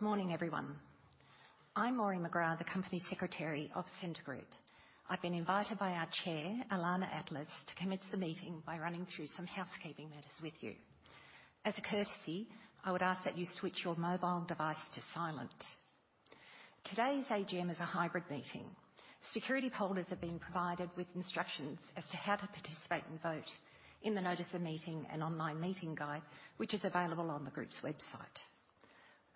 Good morning, everyone. I'm Maureen McGrath, the Company Secretary of Scentre Group. I've been invited by our Chair, Ilana Atlas, to commence the meeting by running through some housekeeping matters with you. As a courtesy, I would ask that you switch your mobile device to silent. Today's AGM is a hybrid meeting. Security holders have been provided with instructions as to how to participate and vote in the notice of meeting and online meeting guide, which is available on the group's website.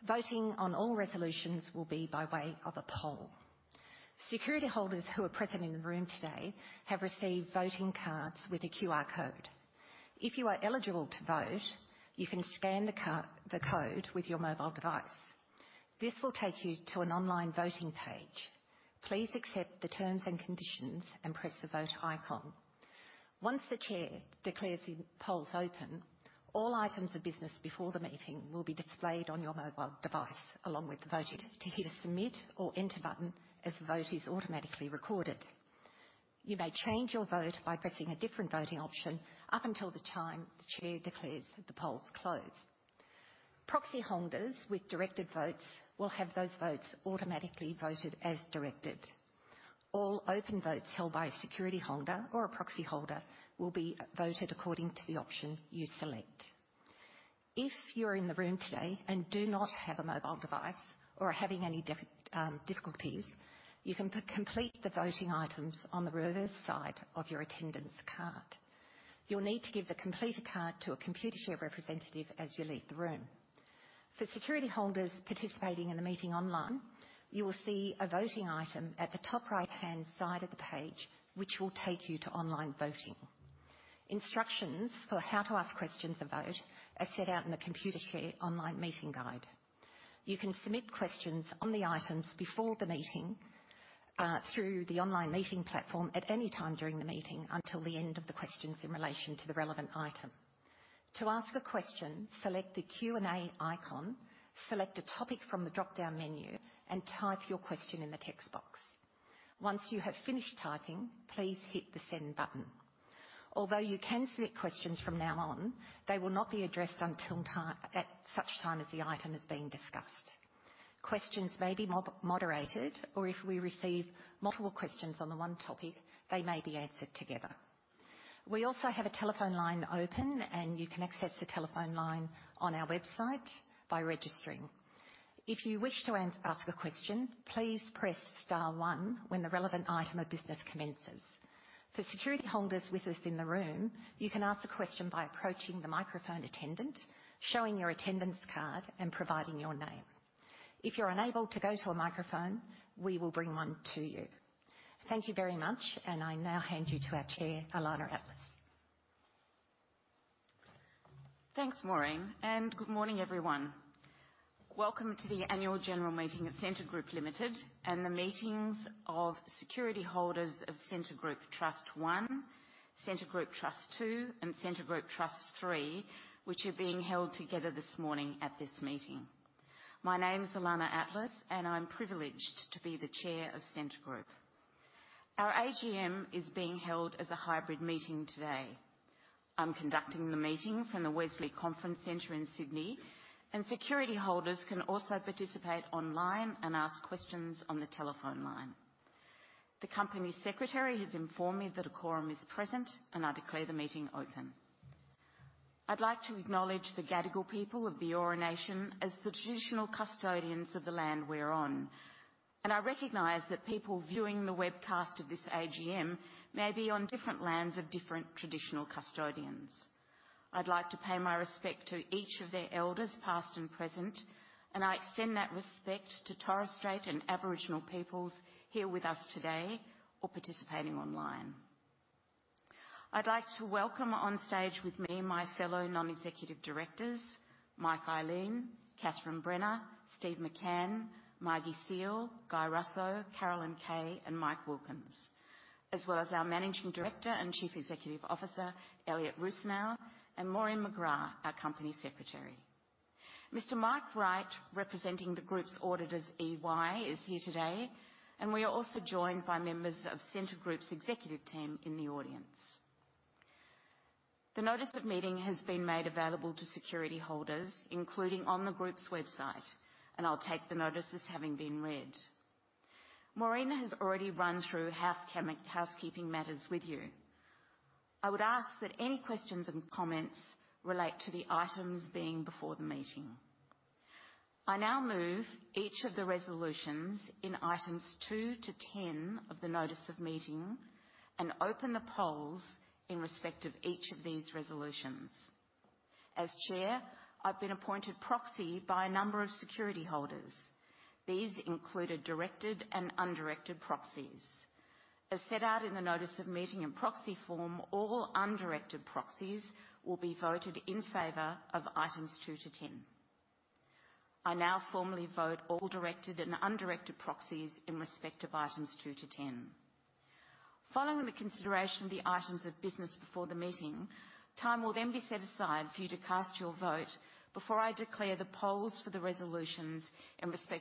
Voting on all resolutions will be by way of a poll. Security holders who are present in the room today have received voting cards with a QR code. If you are eligible to vote, you can scan the code with your mobile device. This will take you to an online voting page. Please accept the terms and conditions and press the Vote icon. Once the Chair declares the polls open, all items of business before the meeting will be displayed on your mobile device, along with the vote. Hit a Submit or Enter button as the vote is automatically recorded. You may change your vote by pressing a different voting option up until the time the Chair declares the polls closed. Proxy holders with directed votes will have those votes automatically voted as directed. All open votes held by a security holder or a proxy holder will be voted according to the option you select. If you're in the room today and do not have a mobile device or are having any difficulties, you can complete the voting items on the reverse side of your attendance card. You'll need to give the completed card to a Computershare representative as you leave the room. For security holders participating in the meeting online, you will see a voting item at the top right-hand side of the page, which will take you to online voting. Instructions for how to ask questions and vote are set out in the Computershare online meeting guide. You can submit questions on the items before the meeting through the online meeting platform at any time during the meeting until the end of the questions in relation to the relevant item. To ask a question, select the Q&A icon, select a topic from the dropdown menu, and type your question in the text box. Once you have finished typing, please hit the Send button. Although you can submit questions from now on, they will not be addressed until... at such time as the item is being discussed. Questions may be moderated, or if we receive multiple questions on the one topic, they may be answered together. We also have a telephone line open, and you can access the telephone line on our website by registering. If you wish to ask a question, please press star one when the relevant item of business commences. For security holders with us in the room, you can ask a question by approaching the microphone attendant, showing your attendance card and providing your name. If you're unable to go to a microphone, we will bring one to you. Thank you very much, and I now hand you to our Chair, Ilana Atlas. Thanks, Maureen, and good morning, everyone. Welcome to the annual general meeting of Scentre Group Limited and the meetings of security holders of Scentre Group Trust One, Scentre Group Trust Two, and Scentre Group Trust Three, which are being held together this morning at this meeting. My name is Ilana Atlas, and I'm privileged to be the Chair of Scentre Group. Our AGM is being held as a hybrid meeting today. I'm conducting the meeting from the Wesley Conference Centre in Sydney, and security holders can also participate online and ask questions on the telephone line. The company secretary has informed me that a quorum is present, and I declare the meeting open. I'd like to acknowledge the Gadigal people of the Eora Nation as the traditional custodians of the land we're on, and I recognize that people viewing the webcast of this AGM may be on different lands of different traditional custodians. I'd like to pay my respect to each of their elders, past and present, and I extend that respect to Torres Strait and Aboriginal peoples here with us today or participating online. I'd like to welcome on stage with me, my fellow non-executive directors, Mike Ihlein, Catherine Brenner, Steve McCann, Margie Seale, Guy Russo, Carolyn Kay, and Mike Wilkins, as well as our Managing Director and Chief Executive Officer, Elliott Rusanow, and Maureen McGrath, our Company Secretary. Mr. Mike Wright, representing the group's auditors, EY, is here today, and we are also joined by members of Scentre Group's executive team in the audience. The notice of meeting has been made available to security holders, including on the group's website, and I'll take the notices having been read. Maureen has already run through housekeeping matters with you. I would ask that any questions and comments relate to the items being before the meeting. I now move each of the resolutions in items two to 10 of the notice of meeting and open the polls in respect of each of these resolutions. As Chair, I've been appointed proxy by a number of security holders. These include a directed and undirected proxies. As set out in the notice of meeting and proxy form, all undirected proxies will be voted in favor of items two to 10. I now formally vote all directed and undirected proxies in respect of items two to 10. Following the consideration of the items of business before the meeting, time will then be set aside for you to cast your vote before I declare the polls for the resolutions in respect to two to 10.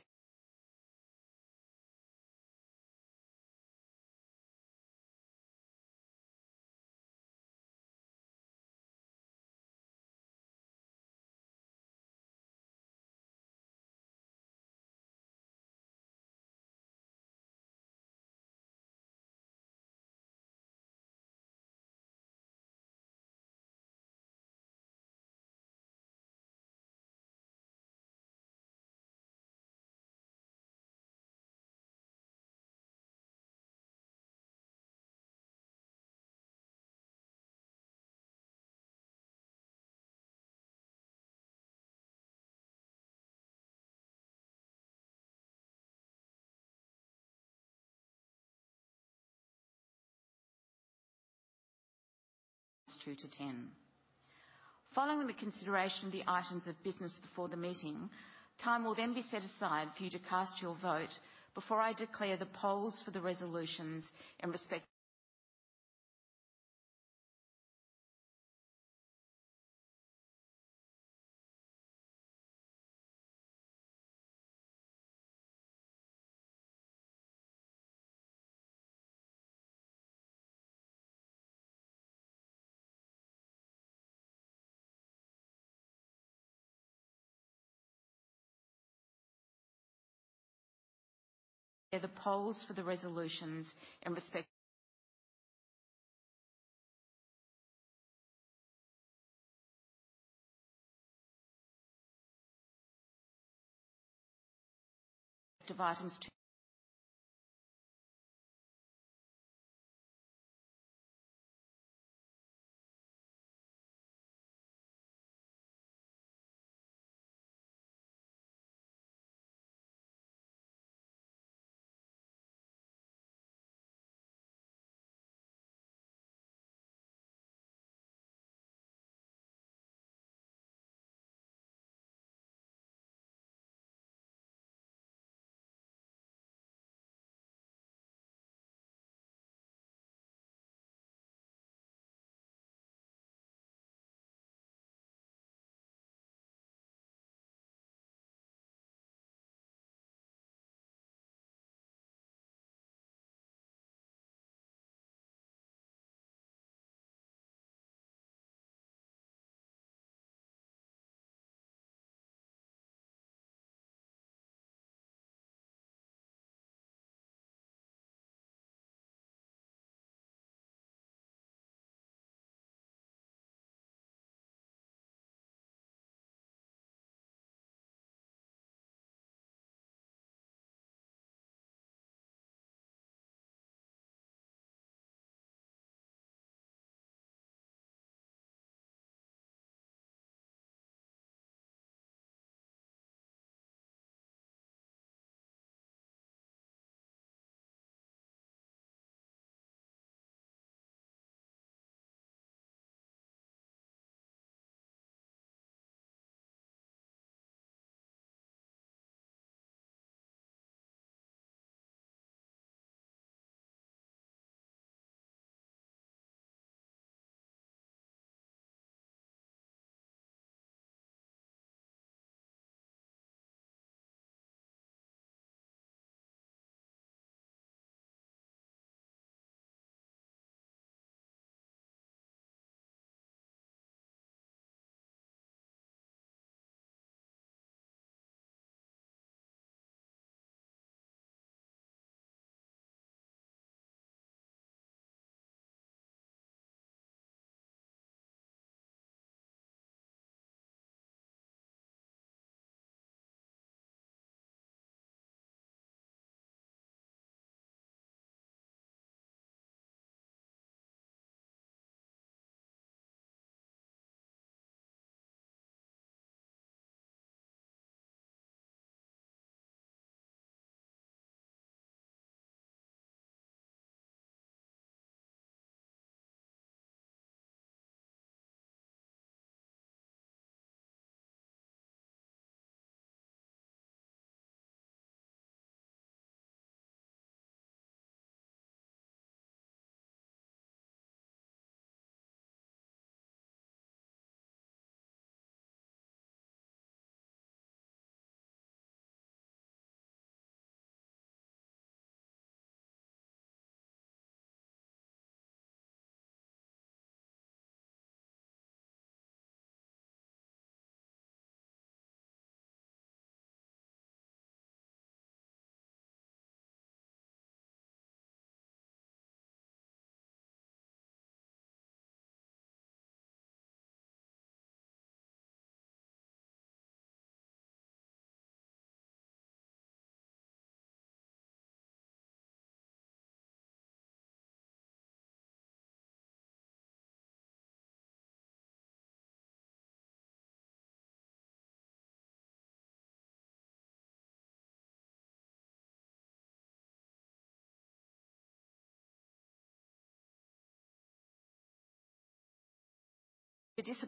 As a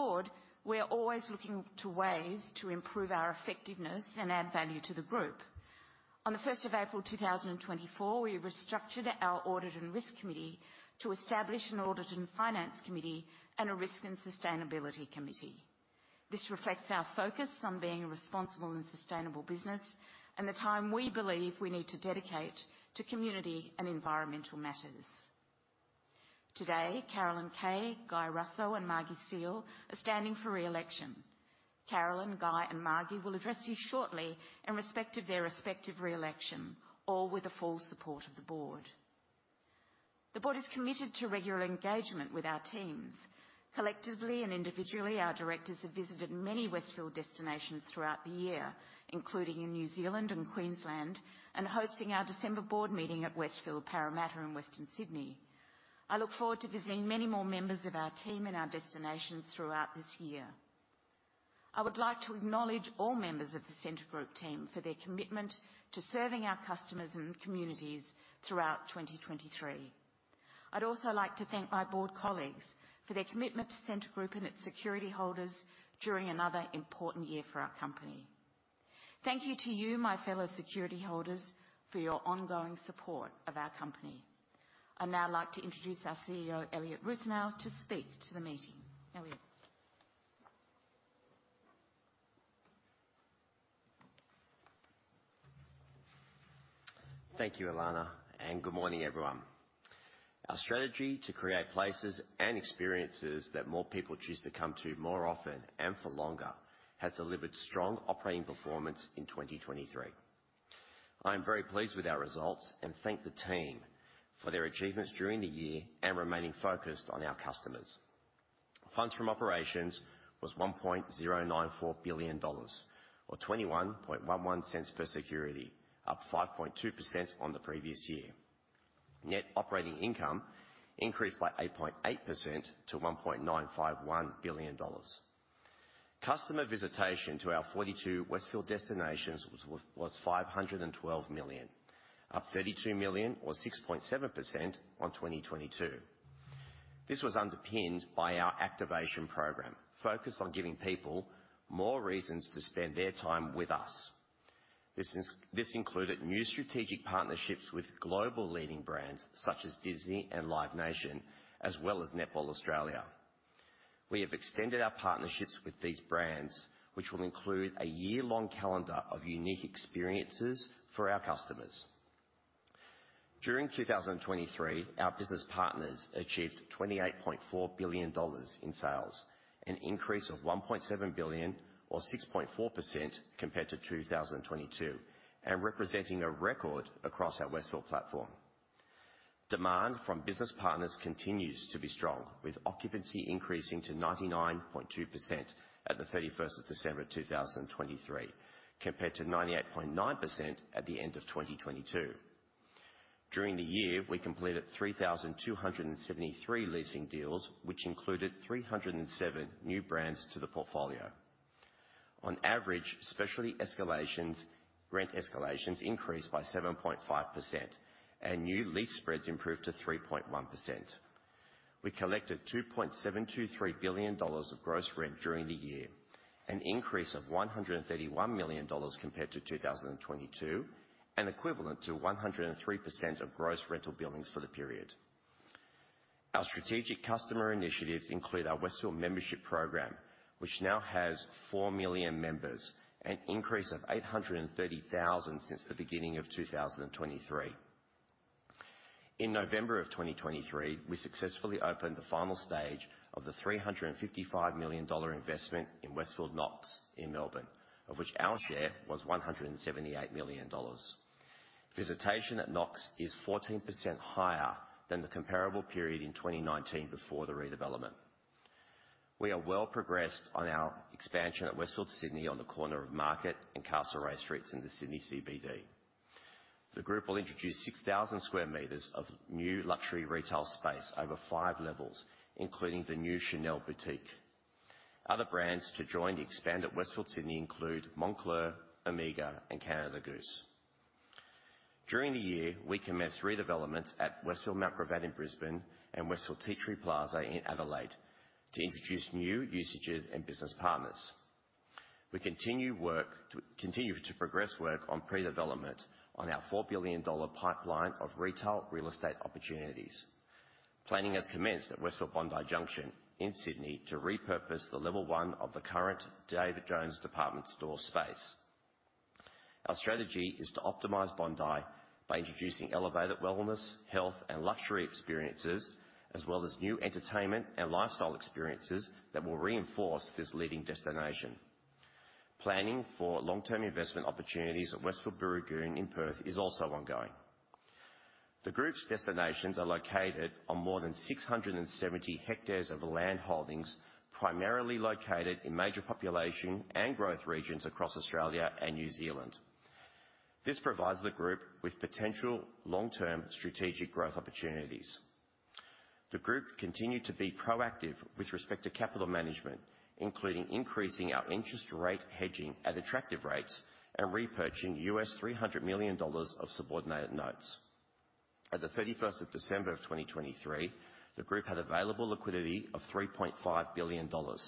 board, we are always looking to ways to improve our effectiveness and add value to the group. On April 1, 2024, we restructured our Audit and Risk Committee to establish an Audit and Finance Committee and a Risk and Sustainability Committee. This reflects our focus on being a responsible and sustainable business, and the time we believe we need to dedicate to community and environmental matters. Today, Carolyn Kay, Guy Russo, and Margie Seale are standing for re-election. Carolyn, Guy, and Margie will address you shortly in respect of their respective re-election, all with the full support of the board. The board is committed to regular engagement with our teams. Collectively and individually, our directors have visited many Westfield destinations throughout the year, including in New Zealand and Queensland, and hosting our December board meeting at Westfield Parramatta in Western Sydney. I look forward to visiting many more members of our team in our destinations throughout this year. I would like to acknowledge all members of the Scentre Group team for their commitment to serving our customers and communities throughout 2023. I'd also like to thank my board colleagues for their commitment to Scentre Group and its security holders during another important year for our company. Thank you to you, my fellow security holders, for your ongoing support of our company. I'd now like to introduce our CEO, Elliott Rusanow, to speak to the meeting. Elliott? Thank you, Ilana, and good morning, everyone. Our strategy to create places and experiences that more people choose to come to more often and for longer has delivered strong operating performance in 2023. I am very pleased with our results and thank the team for their achievements during the year and remaining focused on our customers. Funds from operations was 1.094 billion dollars, or 0.2111 per security, up 5.2% on the previous year. Net operating income increased by 8.8% to 1.951 billion dollars. Customer visitation to our 42 Westfield destinations was 512 million, up 32 million or 6.7% on 2022. This was underpinned by our activation program, focused on giving people more reasons to spend their time with us. This included new strategic partnerships with global leading brands such as Disney and Live Nation, as well as Netball Australia. We have extended our partnerships with these brands, which will include a year-long calendar of unique experiences for our customers. During 2023, our business partners achieved 28.4 billion dollars in sales, an increase of 1.7 billion or 6.4% compared to 2022, and representing a record across our Westfield platform. Demand from business partners continues to be strong, with occupancy increasing to 99.2% at the 31st of December 2023, compared to 98.9% at the end of 2022. During the year, we completed 3,273 leasing deals, which included 307 new brands to the portfolio. On average, specialty escalations, rent escalations increased by 7.5%, and new lease spreads improved to 3.1%. We collected 2.723 billion dollars of gross rent during the year, an increase of 131 million dollars compared to 2022, and equivalent to 103% of gross rental billings for the period. Our strategic customer initiatives include our Westfield Membership Program, which now has four million members, an increase of 830,000 since the beginning of 2023. In November of 2023, we successfully opened the final stage of the 355 million-dollar investment in Westfield Knox in Melbourne, of which our share was 178 million dollars. Visitation at Knox is 14% higher than the comparable period in 2019 before the redevelopment. We are well progressed on our expansion at Westfield Sydney, on the corner of Market and Castlereagh Streets in the Sydney CBD. The group will introduce 6,000 square meters of new luxury retail space over five levels, including the new Chanel boutique. Other brands to join the expanded Westfield Sydney include Moncler, Omega, and Canada Goose. During the year, we commenced redevelopments at Westfield Mount Gravatt in Brisbane and Westfield Tea Tree Plaza in Adelaide to introduce new usages and business partners. We continue to progress work on pre-development on our 4 billion dollar pipeline of retail real estate opportunities. Planning has commenced at Westfield Bondi Junction in Sydney to repurpose the level one of the current David Jones department store space. Our strategy is to optimize Bondi by introducing elevated wellness, health, and luxury experiences, as well as new entertainment and lifestyle experiences that will reinforce this leading destination. Planning for long-term investment opportunities at Westfield Booragoon in Perth is also ongoing. The group's destinations are located on more than 670 hectares of land holdings, primarily located in major population and growth regions across Australia and New Zealand. This provides the group with potential long-term strategic growth opportunities. The group continued to be proactive with respect to capital management, including increasing our interest rate hedging at attractive rates and repurchasing $300 million of subordinated notes.... At 31 December 2023, the group had available liquidity of 3.5 billion dollars,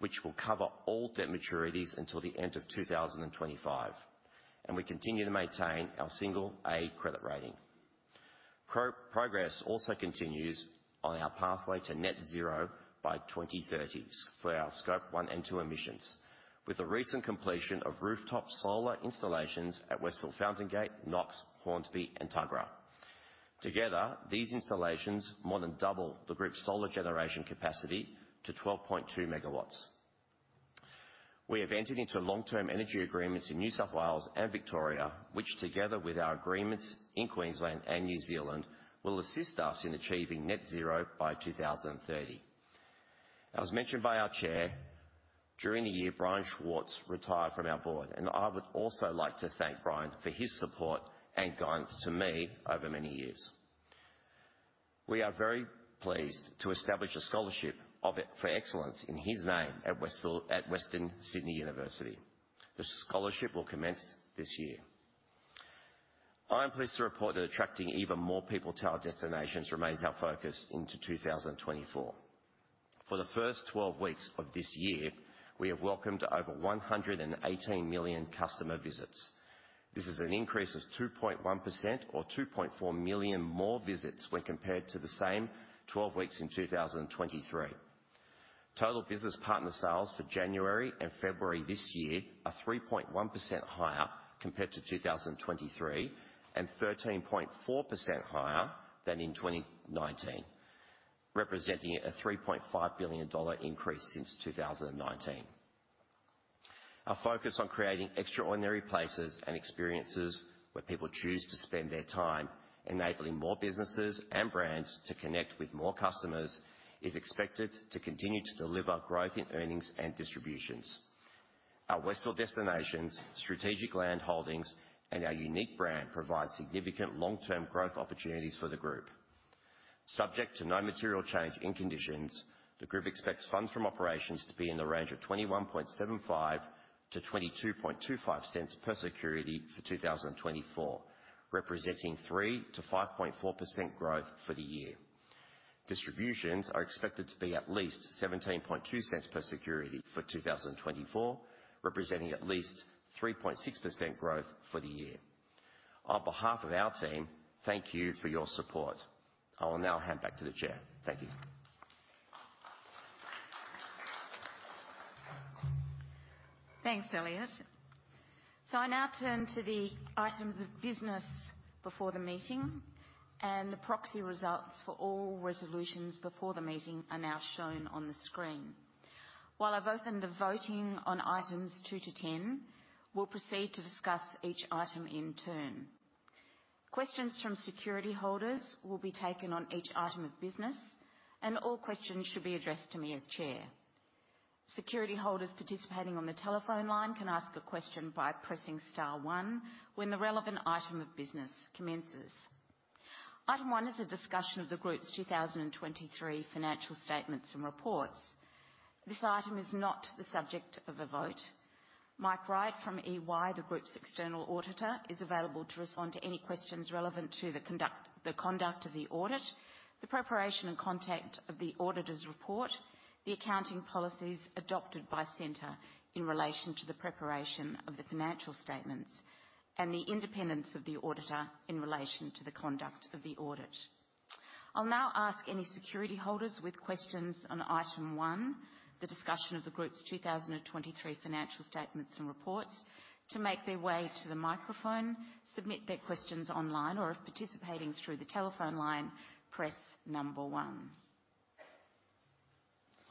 which will cover all debt maturities until the end of 2025, and we continue to maintain our single A credit rating. Progress also continues on our pathway to net zero by 2030s for our Scope one and two emissions, with the recent completion of rooftop solar installations at Westfield Fountain Gate, Knox, Hornsby, and Tuggerah. Together, these installations more than double the group's solar generation capacity to 12.2 MW. We have entered into long-term energy agreements in New South Wales and Victoria, which together with our agreements in Queensland and New Zealand, will assist us in achieving net zero by 2030. As mentioned by our chair, during the year, Brian Schwartz retired from our board, and I would also like to thank Brian for his support and guidance to me over many years. We are very pleased to establish a scholarship of it for excellence in his name at Western Sydney University. The scholarship will commence this year. I am pleased to report that attracting even more people to our destinations remains our focus into 2024. For the first 12 weeks of this year, we have welcomed over 118 million customer visits. This is an increase of 2.1% or 2.4 million more visits when compared to the same 12 weeks in 2023. Total business partner sales for January and February this year are 3.1% higher compared to 2023, and 13.4% higher than in 2019, representing an 3.5 billion dollar increase since 2019. Our focus on creating extraordinary places and experiences where people choose to spend their time, enabling more businesses and brands to connect with more customers, is expected to continue to deliver growth in earnings and distributions. Our Westfield destinations, strategic land holdings, and our unique brand provide significant long-term growth opportunities for the group. Subject to no material change in conditions, the group expects funds from operations to be in the range of 0.2175-0.2225 per security for 2024, representing 3%-5.4% growth for the year. Distributions are expected to be at least 0.172 per security for 2024, representing at least 3.6% growth for the year. On behalf of our team, thank you for your support. I will now hand back to the chair. Thank you. Thanks, Elliott. So I now turn to the items of business before the meeting, and the proxy results for all resolutions before the meeting are now shown on the screen. While I've opened the voting on items two -10, we'll proceed to discuss each item in turn. Questions from security holders will be taken on each item of business, and all questions should be addressed to me as chair. Security holders participating on the telephone line can ask a question by pressing star one when the relevant item of business commences. Item 1 is a discussion of the group's 2023 financial statements and reports. This item is not the subject of a vote. Mike Wright from EY, the group's external auditor, is available to respond to any questions relevant to the conduct, the conduct of the audit, the preparation and content of the auditor's report, the accounting policies adopted by Scentre in relation to the preparation of the financial statements, and the independence of the auditor in relation to the conduct of the audit. I'll now ask any security holders with questions on item one, the discussion of the group's 2023 financial statements and reports, to make their way to the microphone, submit their questions online, or if participating through the telephone line, press number one.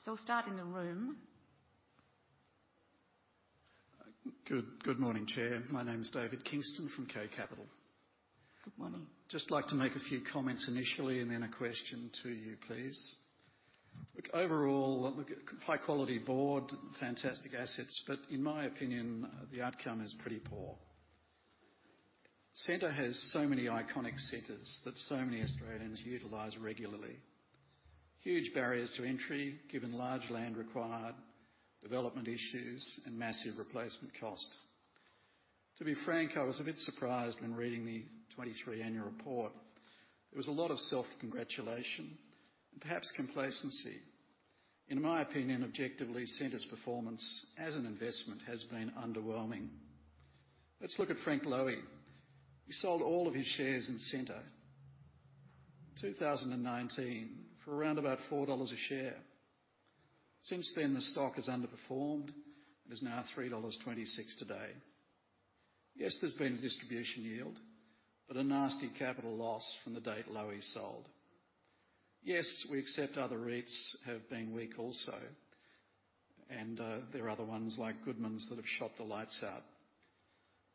We'll start in the room. Good, good morning, Chair. My name is David Kingston from K Capital. Good morning. Just like to make a few comments initially and then a question to you, please. Look, overall, look, a high quality board, fantastic assets, but in my opinion, the outcome is pretty poor. Scentre has so many iconic centers that so many Australians utilize regularly. Huge barriers to entry, given large land required, development issues, and massive replacement cost. To be frank, I was a bit surprised when reading the 2023 annual report. There was a lot of self-congratulation and perhaps complacency. In my opinion, objectively, Scentre's performance as an investment has been underwhelming. Let's look at Frank Lowy. He sold all of his shares in Scentre in 2019 for around about 4 dollars a share. Since then, the stock has underperformed and is now 3.26 dollars today. Yes, there's been a distribution yield, but a nasty capital loss from the date Lowy sold. Yes, we accept other REITs have been weak also, and there are other ones like Goodman Group that have shut the lights out.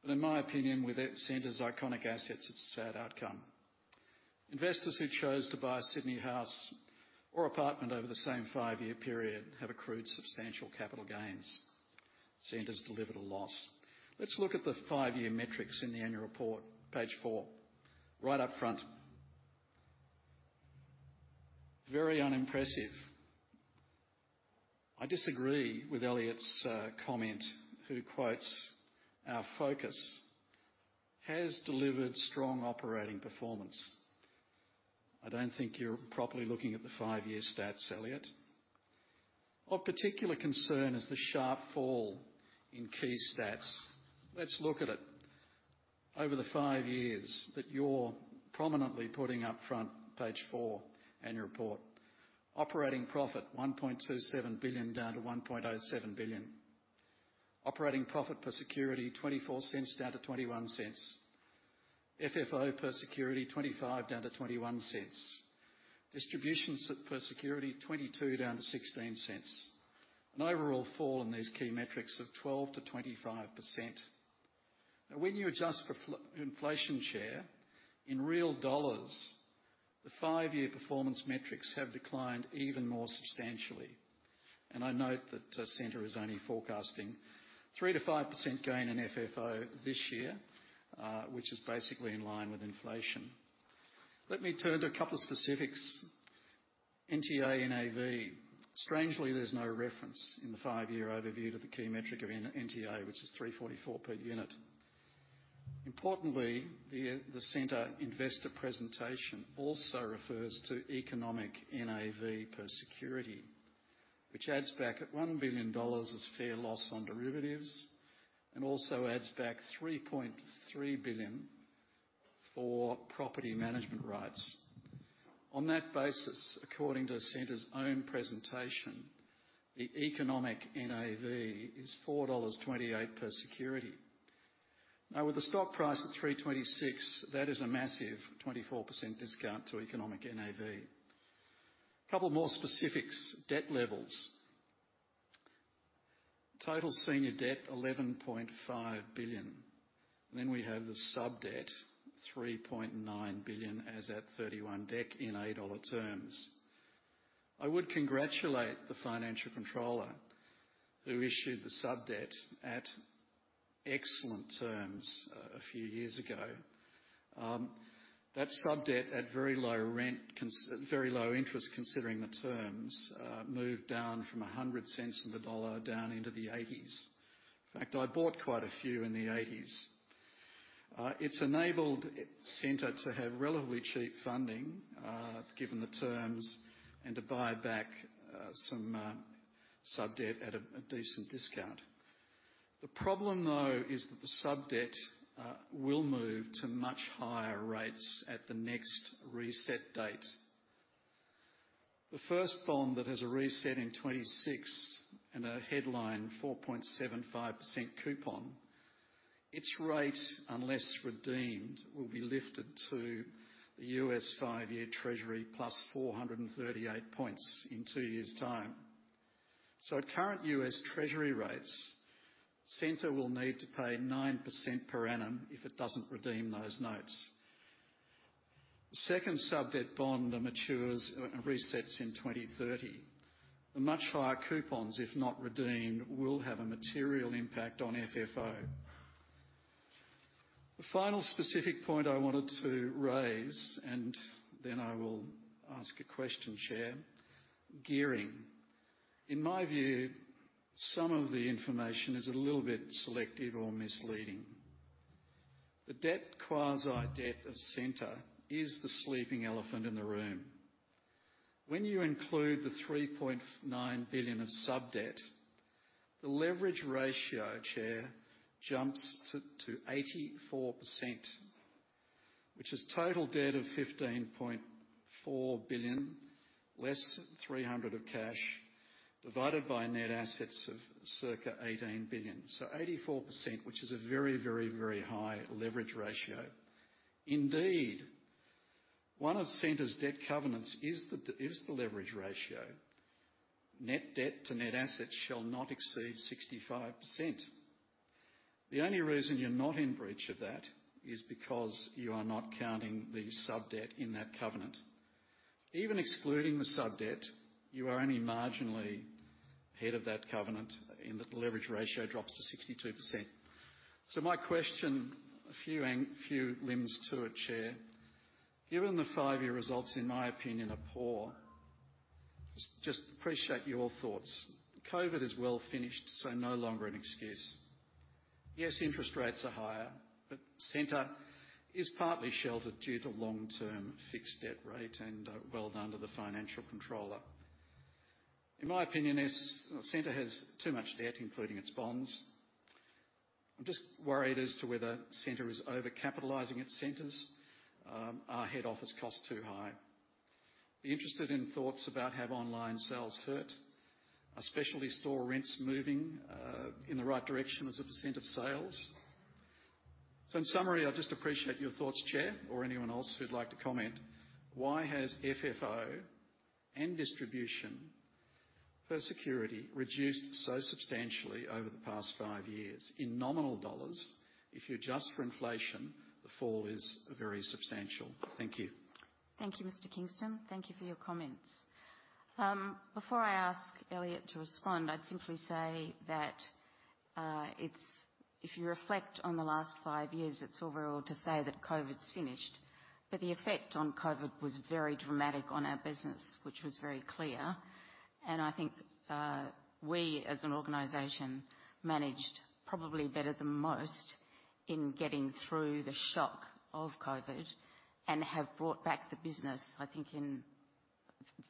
But in my opinion, with Scentre's iconic assets, it's a sad outcome. Investors who chose to buy a Sydney house or apartment over the same five-year period have accrued substantial capital gains. Scentre's delivered a loss. Let's look at the five-year metrics in the annual report, page four, right up front. Very unimpressive. I disagree with Elliott's comment, who quotes, "Our focus has delivered strong operating performance." I don't think you're properly looking at the five-year stats, Elliott. Of particular concern is the sharp fall in key stats. Let's look at it. Over the five years that you're prominently putting up front, page four, annual report. Operating profit, 1.27 billion, down to 1.07 billion. Operating profit per security, 0.24, down to 0.21. FFO per security, 25 down to 21 cents. Distributions per security, 22 down to 16 cents. An overall fall in these key metrics of 12%-25%. Now, when you adjust for inflation, Chair, in real dollars, the five-year performance metrics have declined even more substantially. And I note that, Scentre is only forecasting 3%-5% gain in FFO this year, which is basically in line with inflation. Let me turn to a couple of specifics. NTA NAV. Strangely, there's no reference in the five-year overview to the key metric of NTA, which is 344 per unit. Importantly, the Scentre investor presentation also refers to economic NAV per security, which adds back 1 billion dollars as fair loss on derivatives, and also adds back 3.3 billion for property management rights. On that basis, according to Scentre's own presentation, the economic NAV is 4.28 dollars per security. Now, with the stock price at 3.26, that is a massive 24% discount to economic NAV. A couple more specifics: debt levels. Total senior debt, AUD 11.5 billion. Then we have the sub-debt, AUD 3.9 billion, as at 31 December, in A-dollar terms. I would congratulate the financial controller, who issued the sub-debt at excellent terms a few years ago. That sub-debt at very low interest, considering the terms, moved down from 100 cents on the dollar, down into the eighties. In fact, I bought quite a few in the 1980s. It's enabled Scentre to have relatively cheap funding, given the terms, and to buy back some sub-debt at a decent discount. The problem, though, is that the sub-debt will move to much higher rates at the next reset date. The first bond that has a reset in 2026 and a headline 4.75% coupon, its rate, unless redeemed, will be lifted to the U.S. 5-Year Treasury plus 438 points in two years' time. So at current US. Treasury rates, Scentre will need to pay 9% per annum if it doesn't redeem those notes. The second sub-debt bond matures and resets in 2030. The much higher coupons, if not redeemed, will have a material impact on FFO. The final specific point I wanted to raise, and then I will ask a question, Chair: gearing. In my view, some of the information is a little bit selective or misleading. The debt, quasi-debt of Scentre is the sleeping elephant in the room. When you include the 3.9 billion of sub-debt, the leverage ratio, Chair, jumps to 84%, which is total debt of 15.4 billion, less 300 million of cash, divided by net assets of circa 18 billion. So 84%, which is a very, very, very high leverage ratio. Indeed, one of Scentre's debt covenants is the leverage ratio. Net debt to net assets shall not exceed 65%. The only reason you're not in breach of that is because you are not counting the sub-debt in that covenant. Even excluding the sub-debt, you are only marginally ahead of that covenant, in that the leverage ratio drops to 62%. So my question, a few limbs to it, Chair: given the five-year results, in my opinion, are poor, just appreciate your thoughts. COVID is well finished, so no longer an excuse. Yes, interest rates are higher, but Scentre is partly sheltered due to long-term fixed debt rate and, well done to the financial controller. In my opinion, Scentre has too much debt, including its bonds. I'm just worried as to whether Scentre is overcapitalizing its centers. Are head office costs too high? Be interested in thoughts about have online sales hurt? Are specialty store rents moving, in the right direction as a percent of sales? So in summary, I'd just appreciate your thoughts, Chair, or anyone else who'd like to comment. Why has FFO and distribution per security reduced so substantially over the past five years in nominal dollars? If you adjust for inflation, the fall is very substantial. Thank you. Thank you, Mr. Kingston. Thank you for your comments.... Before I ask Elliott to respond, I'd simply say that, it's, if you reflect on the last five years, it's overall to say that COVID's finished. But the effect on COVID was very dramatic on our business, which was very clear, and I think, we, as an organization, managed probably better than most in getting through the shock of COVID and have brought back the business, I think, in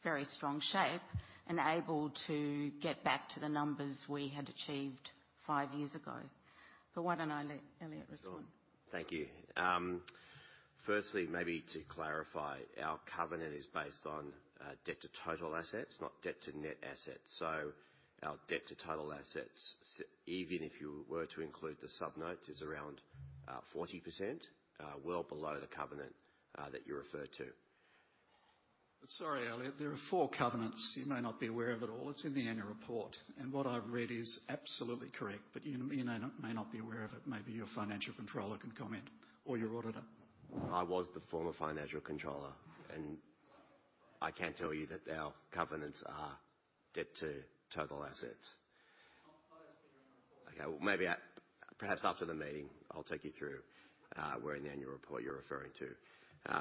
very strong shape and able to get back to the numbers we had achieved five years ago. But why don't I let Elliott respond? Sure. Thank you. Firstly, maybe to clarify, our covenant is based on, debt to total assets, not debt to net assets. So our debt to total assets, even if you were to include the sub-notes, is around, 40%, well below the covenant, that you referred to. Sorry, Elliott, there are four covenants. You may not be aware of it all. It's in the annual report, and what I've read is absolutely correct, but you, you may not, may not be aware of it. Maybe your financial controller can comment or your auditor. I was the former financial controller, and I can tell you that our covenants are debt to total assets. I'm quoting from your report. Okay, well, maybe at, perhaps after the meeting, I'll take you through where in the annual report you're referring to.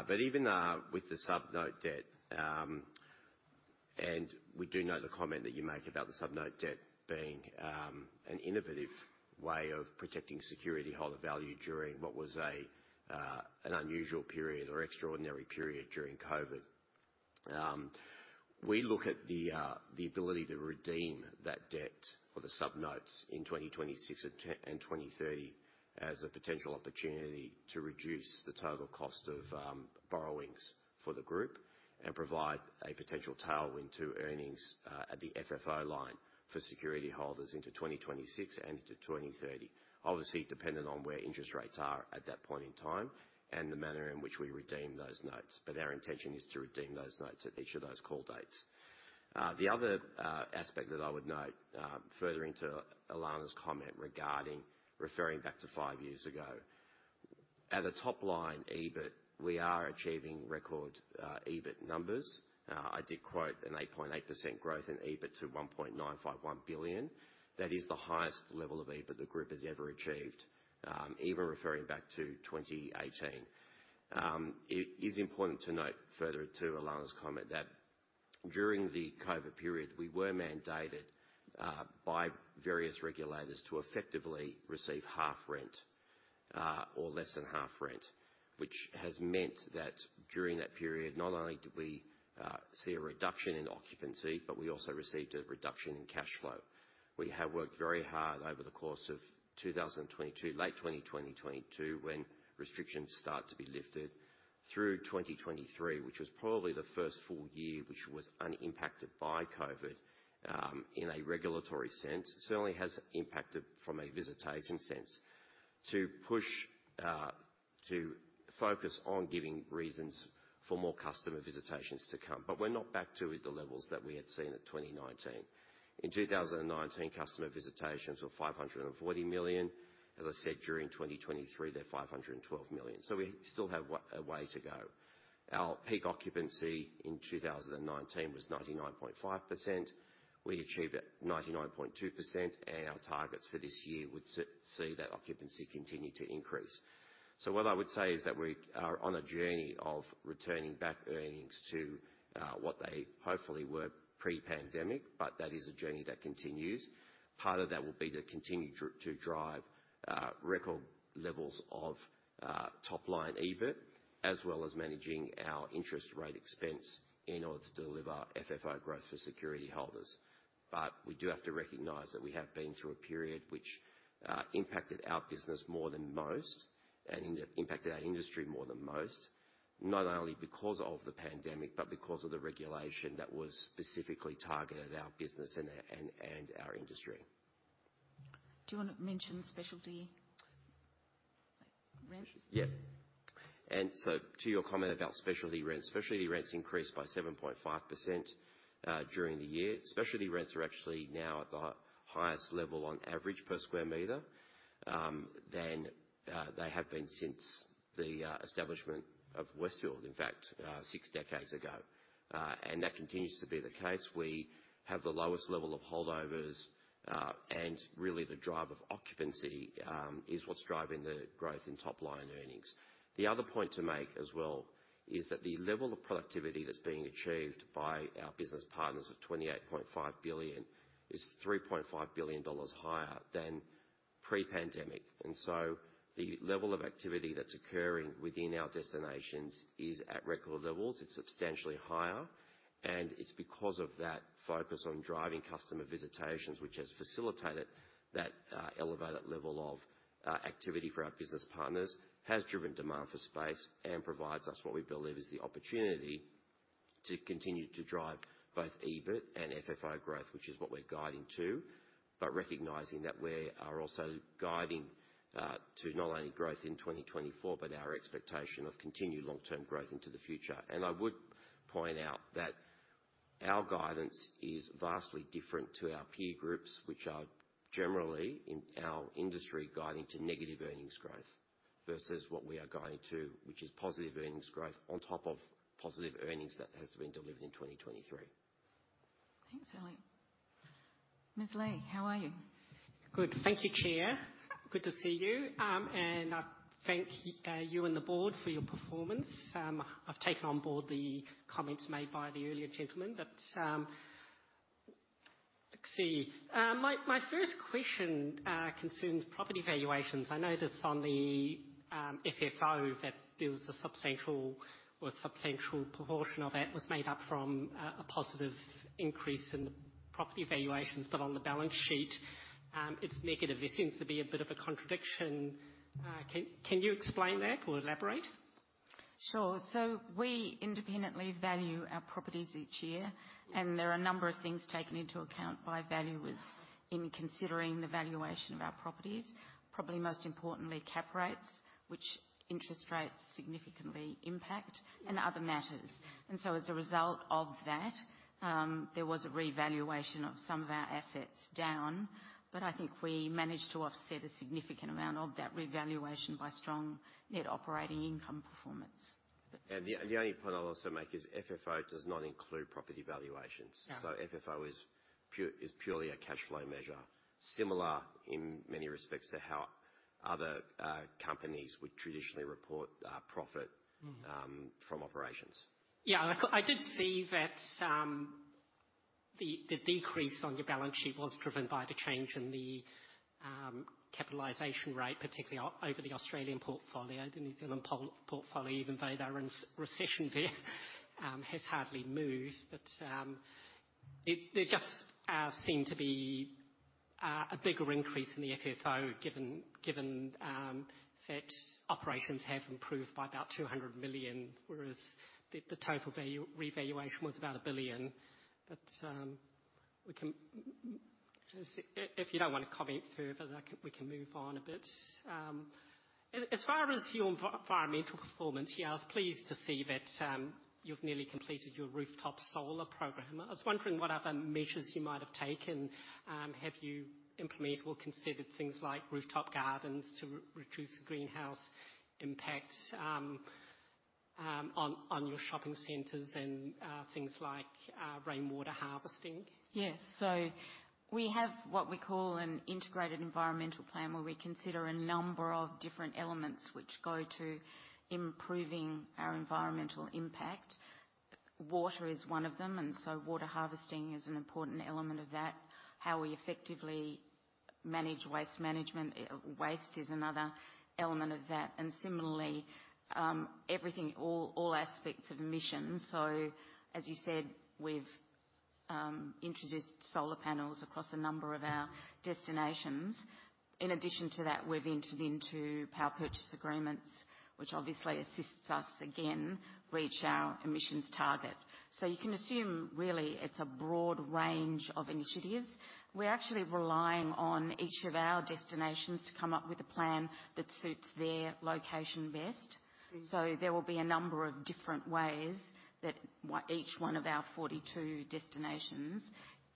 But even with the sub-debt, and we do note the comment that you make about the sub-debt being an innovative way of protecting security holder value during what was a unusual period or extraordinary period during COVID. We look at the ability to redeem that debt or the sub-notes in 2026 and 2030 as a potential opportunity to reduce the total cost of borrowings for the group and provide a potential tailwind to earnings at the FFO line for security holders into 2026 and into 2030. Obviously, dependent on where interest rates are at that point in time and the manner in which we redeem those notes. But our intention is to redeem those notes at each of those call dates. The other aspect that I would note, furthering to Ilana's comment regarding referring back to five years ago. At the top line, EBIT, we are achieving record EBIT numbers. I did quote an 8.8% growth in EBIT to 1.951 billion. That is the highest level of EBIT the group has ever achieved, even referring back to 2018. It is important to note further to Ilana's comment, that during the COVID period, we were mandated by various regulators to effectively receive half rent or less than half rent, which has meant that during that period, not only did we see a reduction in occupancy, but we also received a reduction in cash flow. We have worked very hard over the course of 2022, late 2020, 2022, when restrictions start to be lifted, through 2023, which was probably the first full year, which was unimpacted by COVID in a regulatory sense. Certainly has impacted from a visitation sense to push to focus on giving reasons for more customer visitations to come. But we're not back to the levels that we had seen at 2019. In 2019, customer visitations were 540 million. As I said, during 2023, they're 512 million, so we still have a way to go. Our peak occupancy in 2019 was 99.5%. We achieved 99.2%, and our targets for this year would see that occupancy continue to increase. So what I would say is that we are on a journey of returning back earnings to what they hopefully were pre-pandemic, but that is a journey that continues. Part of that will be to continue to drive record levels of top line EBIT, as well as managing our interest rate expense in order to deliver FFO growth for security holders. But we do have to recognize that we have been through a period which impacted our business more than most and impacted our industry more than most, not only because of the pandemic but because of the regulation that was specifically targeted at our business and our industry. Do you wanna mention Specialty Rent? Yeah. And so to your comment about specialty rents, specialty rents increased by 7.5% during the year. Specialty rents are actually now at the highest level on average per square meter than they have been since the establishment of Westfield, in fact, six decades ago. And that continues to be the case. We have the lowest level of holdovers, and really, the drive of occupancy is what's driving the growth in top-line earnings. The other point to make as well is that the level of productivity that's being achieved by our business partners of 28.5 billion is 3.5 billion dollars higher than pre-pandemic. And so the level of activity that's occurring within our destinations is at record levels. It's substantially higher, and it's because of that focus on driving customer visitations, which has facilitated that, elevated level of, activity for our business partners, has driven demand for space and provides us what we believe is the opportunity to continue to drive both EBIT and FFO growth, which is what we're guiding to, but recognizing that we are also guiding, to not only growth in 2024, but our expectation of continued long-term growth into the future. And I would point out that our guidance is vastly different to our peer groups, which are generally in our industry, guiding to negative earnings growth.... versus what we are guiding to, which is positive earnings growth on top of positive earnings that has been delivered in 2023. Thanks, Elliott. Ms. Lee, how are you? Good. Thank you, Chair. Good to see you. And I thank you and the board for your performance. I've taken on board the comments made by the earlier gentleman, but, let's see. My first question concerns property valuations. I noticed on the FFO that there was a substantial or substantial proportion of it was made up from a positive increase in the property valuations, but on the balance sheet, it's negative. There seems to be a bit of a contradiction. Can you explain that or elaborate? Sure. So we independently value our properties each year, and there are a number of things taken into account by valuers in considering the valuation of our properties. Probably most importantly, cap rates, which interest rates significantly impact, and other matters. So as a result of that, there was a revaluation of some of our assets down, but I think we managed to offset a significant amount of that revaluation by strong net operating income performance. The only point I'll also make is FFO does not include property valuations. Yeah. So FFO is purely a cash flow measure, similar in many respects to how other companies would traditionally report profit- Mm. from operations. Yeah, I did see that, the decrease on your balance sheet was driven by the change in the capitalization rate, particularly over the Australian portfolio. The New Zealand portfolio, even though they're in recession there, has hardly moved. But, there just seemed to be a bigger increase in the FFO, given that operations have improved by about 200 million, whereas the total value revaluation was about 1 billion. But, we can... If you don't wanna comment further, I can, we can move on a bit. As far as your environmental performance, yeah, I was pleased to see that, you've nearly completed your rooftop solar program. I was wondering what other measures you might have taken. Have you implemented or considered things like rooftop gardens to reduce the greenhouse impact on your shopping centers and things like rainwater harvesting? Yes. So we have what we call an integrated environmental plan, where we consider a number of different elements which go to improving our environmental impact. Water is one of them, and so water harvesting is an important element of that. How we effectively manage waste management, waste is another element of that, and similarly, everything, all aspects of emissions. So as you said, we've introduced solar panels across a number of our destinations. In addition to that, we've entered into power purchase agreements, which obviously assists us, again, reach our emissions target. So you can assume really it's a broad range of initiatives. We're actually relying on each of our destinations to come up with a plan that suits their location best. Mm. So there will be a number of different ways that each one of our 42 destinations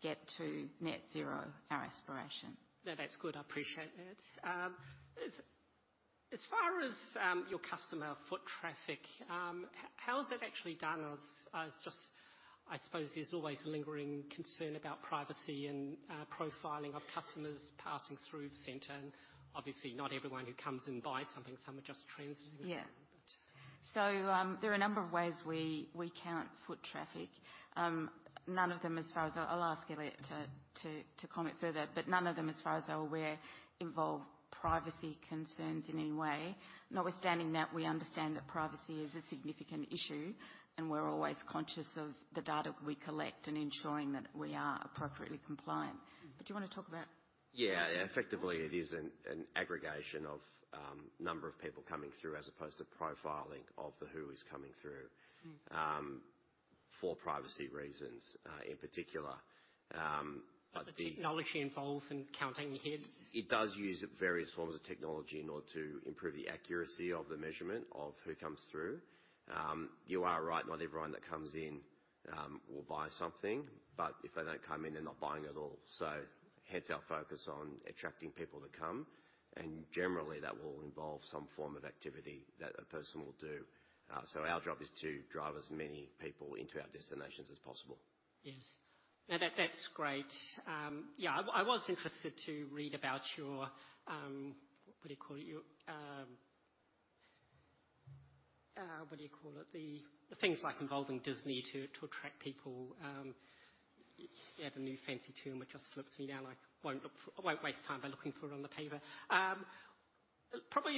get to net zero, our aspiration. No, that's good. I appreciate that. As far as your customer foot traffic, how is that actually done? I just... I suppose there's always lingering concern about privacy and profiling of customers passing through the center, and obviously not everyone who comes in buys something, some are just transiting. Yeah. But- There are a number of ways we count foot traffic. None of them as far as... I'll ask Elliott to comment further, but none of them, as far as I'm aware, involve privacy concerns in any way. Notwithstanding that, we understand that privacy is a significant issue, and we're always conscious of the data we collect and ensuring that we are appropriately compliant. Mm. But do you wanna talk about- Yeah, effectively, it is an aggregation of number of people coming through as opposed to profiling of the who is coming through. Mm... for privacy reasons, in particular, but the- But the technology involved in counting the heads? It does use various forms of technology in order to improve the accuracy of the measurement of who comes through. You are right, not everyone that comes in will buy something, but if they don't come in, they're not buying at all. So hence our focus on attracting people to come, and generally, that will involve some form of activity that a person will do. So our job is to drive as many people into our destinations as possible. Yes. No, that, that's great. Yeah, I was interested to read about your, what do you call it? Your, what do you call it? The things like involving Disney to attract people. You had a new fancy term, which just slips me now. I won't look for, I won't waste time by looking for it on the paper. Probably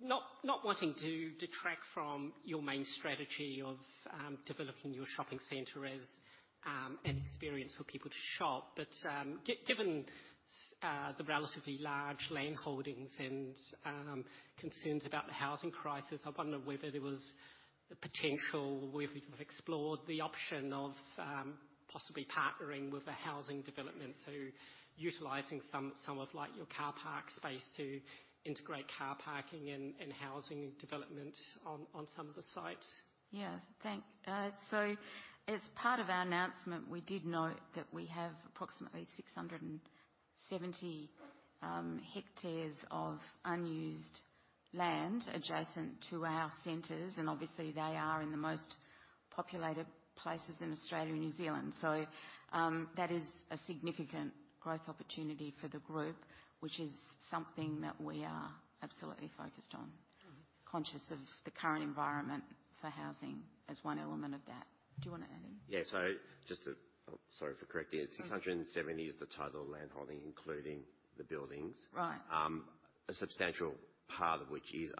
not wanting to detract from your main strategy of developing your shopping center as an experience for people to shop, but given the relatively large land holdings and concerns about the housing crisis, I wonder whether there was the potential or whether you've explored the option of possibly partnering with the housing development. Utilizing some of like your parking lot space to integrate parking and housing development on some of the sites. Yeah. So as part of our announcement, we did note that we have approximately 670 hectares of unused land adjacent to our centers, and obviously, they are in the most populated places in Australia and New Zealand. So, that is a significant growth opportunity for the group, which is something that we are absolutely focused on. Mm-hmm. Conscious of the current environment for housing as one element of that. Do you want to add anything? Yeah, so sorry for correcting you. Mm. 670 is the total landholding, including the buildings. Right. A substantial part of which is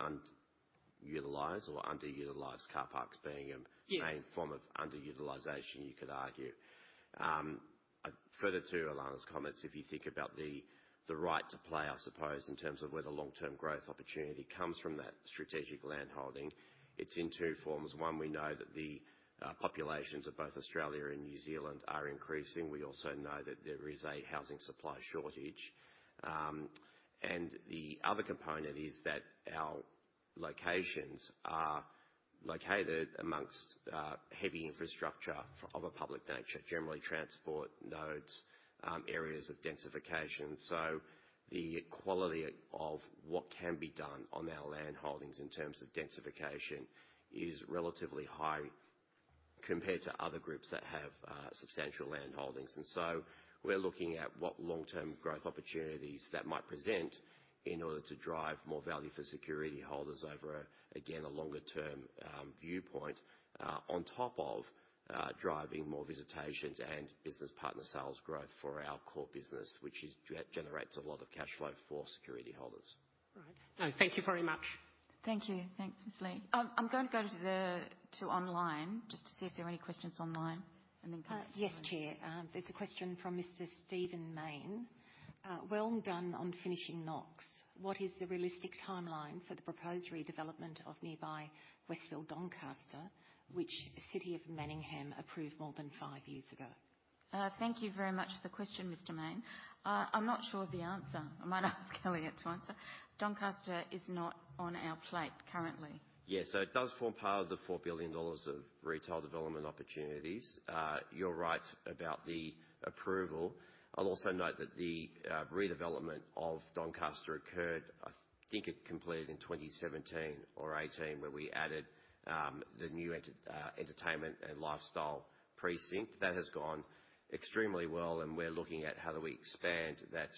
unutilized or underutilized car parks, being a- Yes main form of underutilization, you could argue. Further to Ilana's comments, if you think about the right to play, I suppose, in terms of where the long-term growth opportunity comes from that strategic land holding, it's in two forms. One, we know that the populations of both Australia and New Zealand are increasing. We also know that there is a housing supply shortage. And the other component is that our locations are located amongst heavy infrastructure of a public nature, generally transport nodes, areas of densification. So the quality of what can be done on our land holdings in terms of densification is relatively high compared to other groups that have substantial land holdings. And so we're looking at what long-term growth opportunities that might present in order to drive more value for security holders over, again, a longer-term viewpoint, on top of driving more visitations and business partner sales growth for our core business, which generates a lot of cash flow for security holders. All right. No, thank you very much. Thank you. Thanks, Ms. Lee. I'm going to go to online, just to see if there are any questions online, and then- Yes, Chair. There's a question from Mr. Steven Mayne. "Well done on finishing Knox. What is the realistic timeline for the proposed redevelopment of nearby Westfield Doncaster, which the City of Manningham approved more than five years ago? Thank you very much for the question, Mr. Main. I'm not sure of the answer. I might ask Elliott to answer. Doncaster is not on our plate currently. Yes. So it does form part of the 4 billion dollars of retail development opportunities. You're right about the approval. I'll also note that the redevelopment of Doncaster occurred, I think it completed in 2017 or 2018, where we added the new entertainment and lifestyle precinct. That has gone extremely well, and we're looking at how do we expand that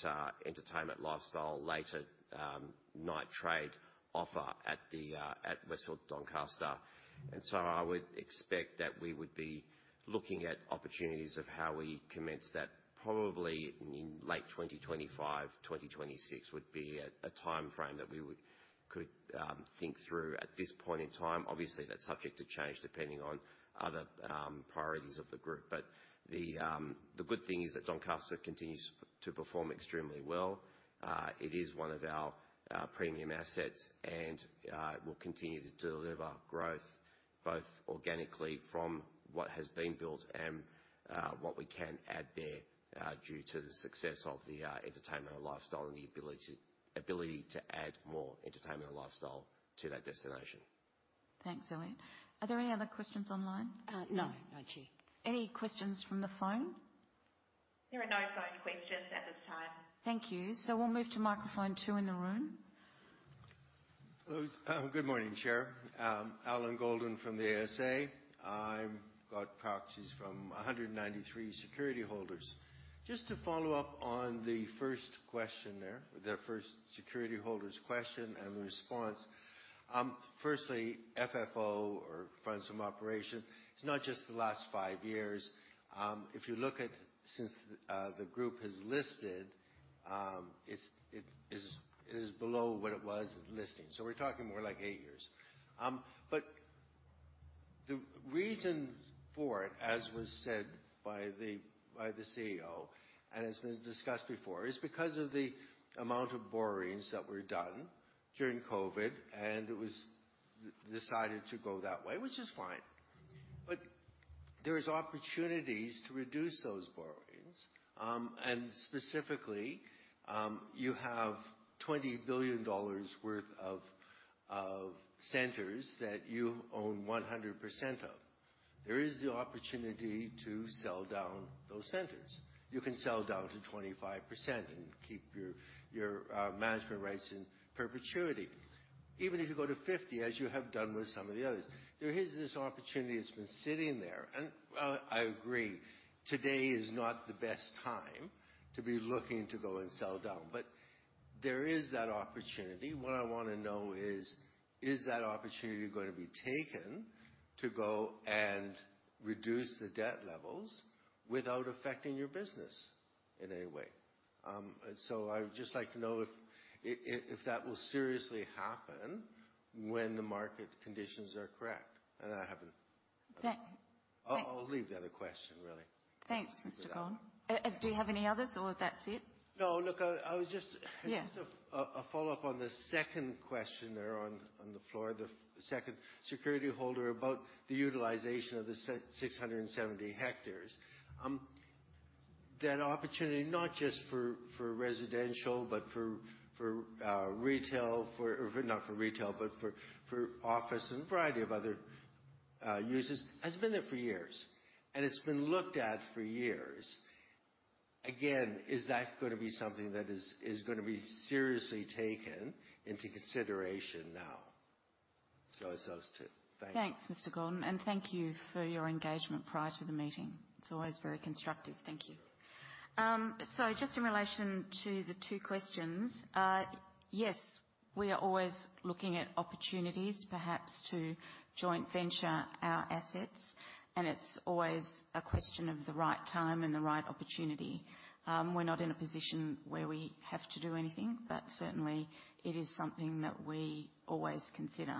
entertainment lifestyle later night trade offer at the at Westfield Doncaster. And so I would expect that we would be looking at opportunities of how we commence that probably in late 2025, 2026 would be a timeframe that we could think through at this point in time. Obviously, that's subject to change, depending on other priorities of the group. But the good thing is that Doncaster continues to perform extremely well. It is one of our premium assets, and it will continue to deliver growth, both organically from what has been built and what we can add there, due to the success of the entertainment and lifestyle and the ability to add more entertainment and lifestyle to that destination. Thanks, Elliott. Are there any other questions online? No. No, Chair. Any questions from the phone? There are no phone questions at this time. Thank you. So we'll move to microphone two in the room. Hello. Good morning, Chair. Alan Goldin from the ASA. I've got proxies from 193 security holders. Just to follow up on the first question there, the first security holder's question and the response. Firstly, FFO or funds from operation, it's not just the last five years. If you look at since the group has listed, it's, it is, it is below what it was at listing. So we're talking more like eight years. But the reason for it, as was said by the, by the CEO, and as been discussed before, is because of the amount of borrowings that were done during COVID, and it was decided to go that way, which is fine. But there is opportunities to reduce those borrowings. And specifically, you have 20 billion dollars worth of centers that you own 100% of. There is the opportunity to sell down those centers. You can sell down to 25% and keep your management rights in perpetuity. Even if you go to 50, as you have done with some of the others, there is this opportunity that's been sitting there. And I agree, today is not the best time to be looking to go and sell down, but there is that opportunity. What I wanna know is, is that opportunity going to be taken to go and reduce the debt levels without affecting your business in any way? So I would just like to know if that will seriously happen when the market conditions are correct, and I haven't- Thank- I'll leave the other question, really. Thanks, Mr. Goldin. Yeah. Do you have any others, or is that it? No, look, I was just- Yeah. Just a follow-up on the second question there on the floor, the second security holder about the utilization of the 670 hectares. That opportunity, not just for residential, but for retail. Not for retail, but for office and a variety of other uses, has been there for years, and it's been looked at for years. Again, is that going to be something that is gonna be seriously taken into consideration now? So it's those two. Thank you. Thanks, Mr. Goldin, and thank you for your engagement prior to the meeting. It's always very constructive. Thank you. So just in relation to the two questions, yes, we are always looking at opportunities perhaps to joint venture our assets, and it's always a question of the right time and the right opportunity. We're not in a position where we have to do anything, but certainly it is something that we always consider.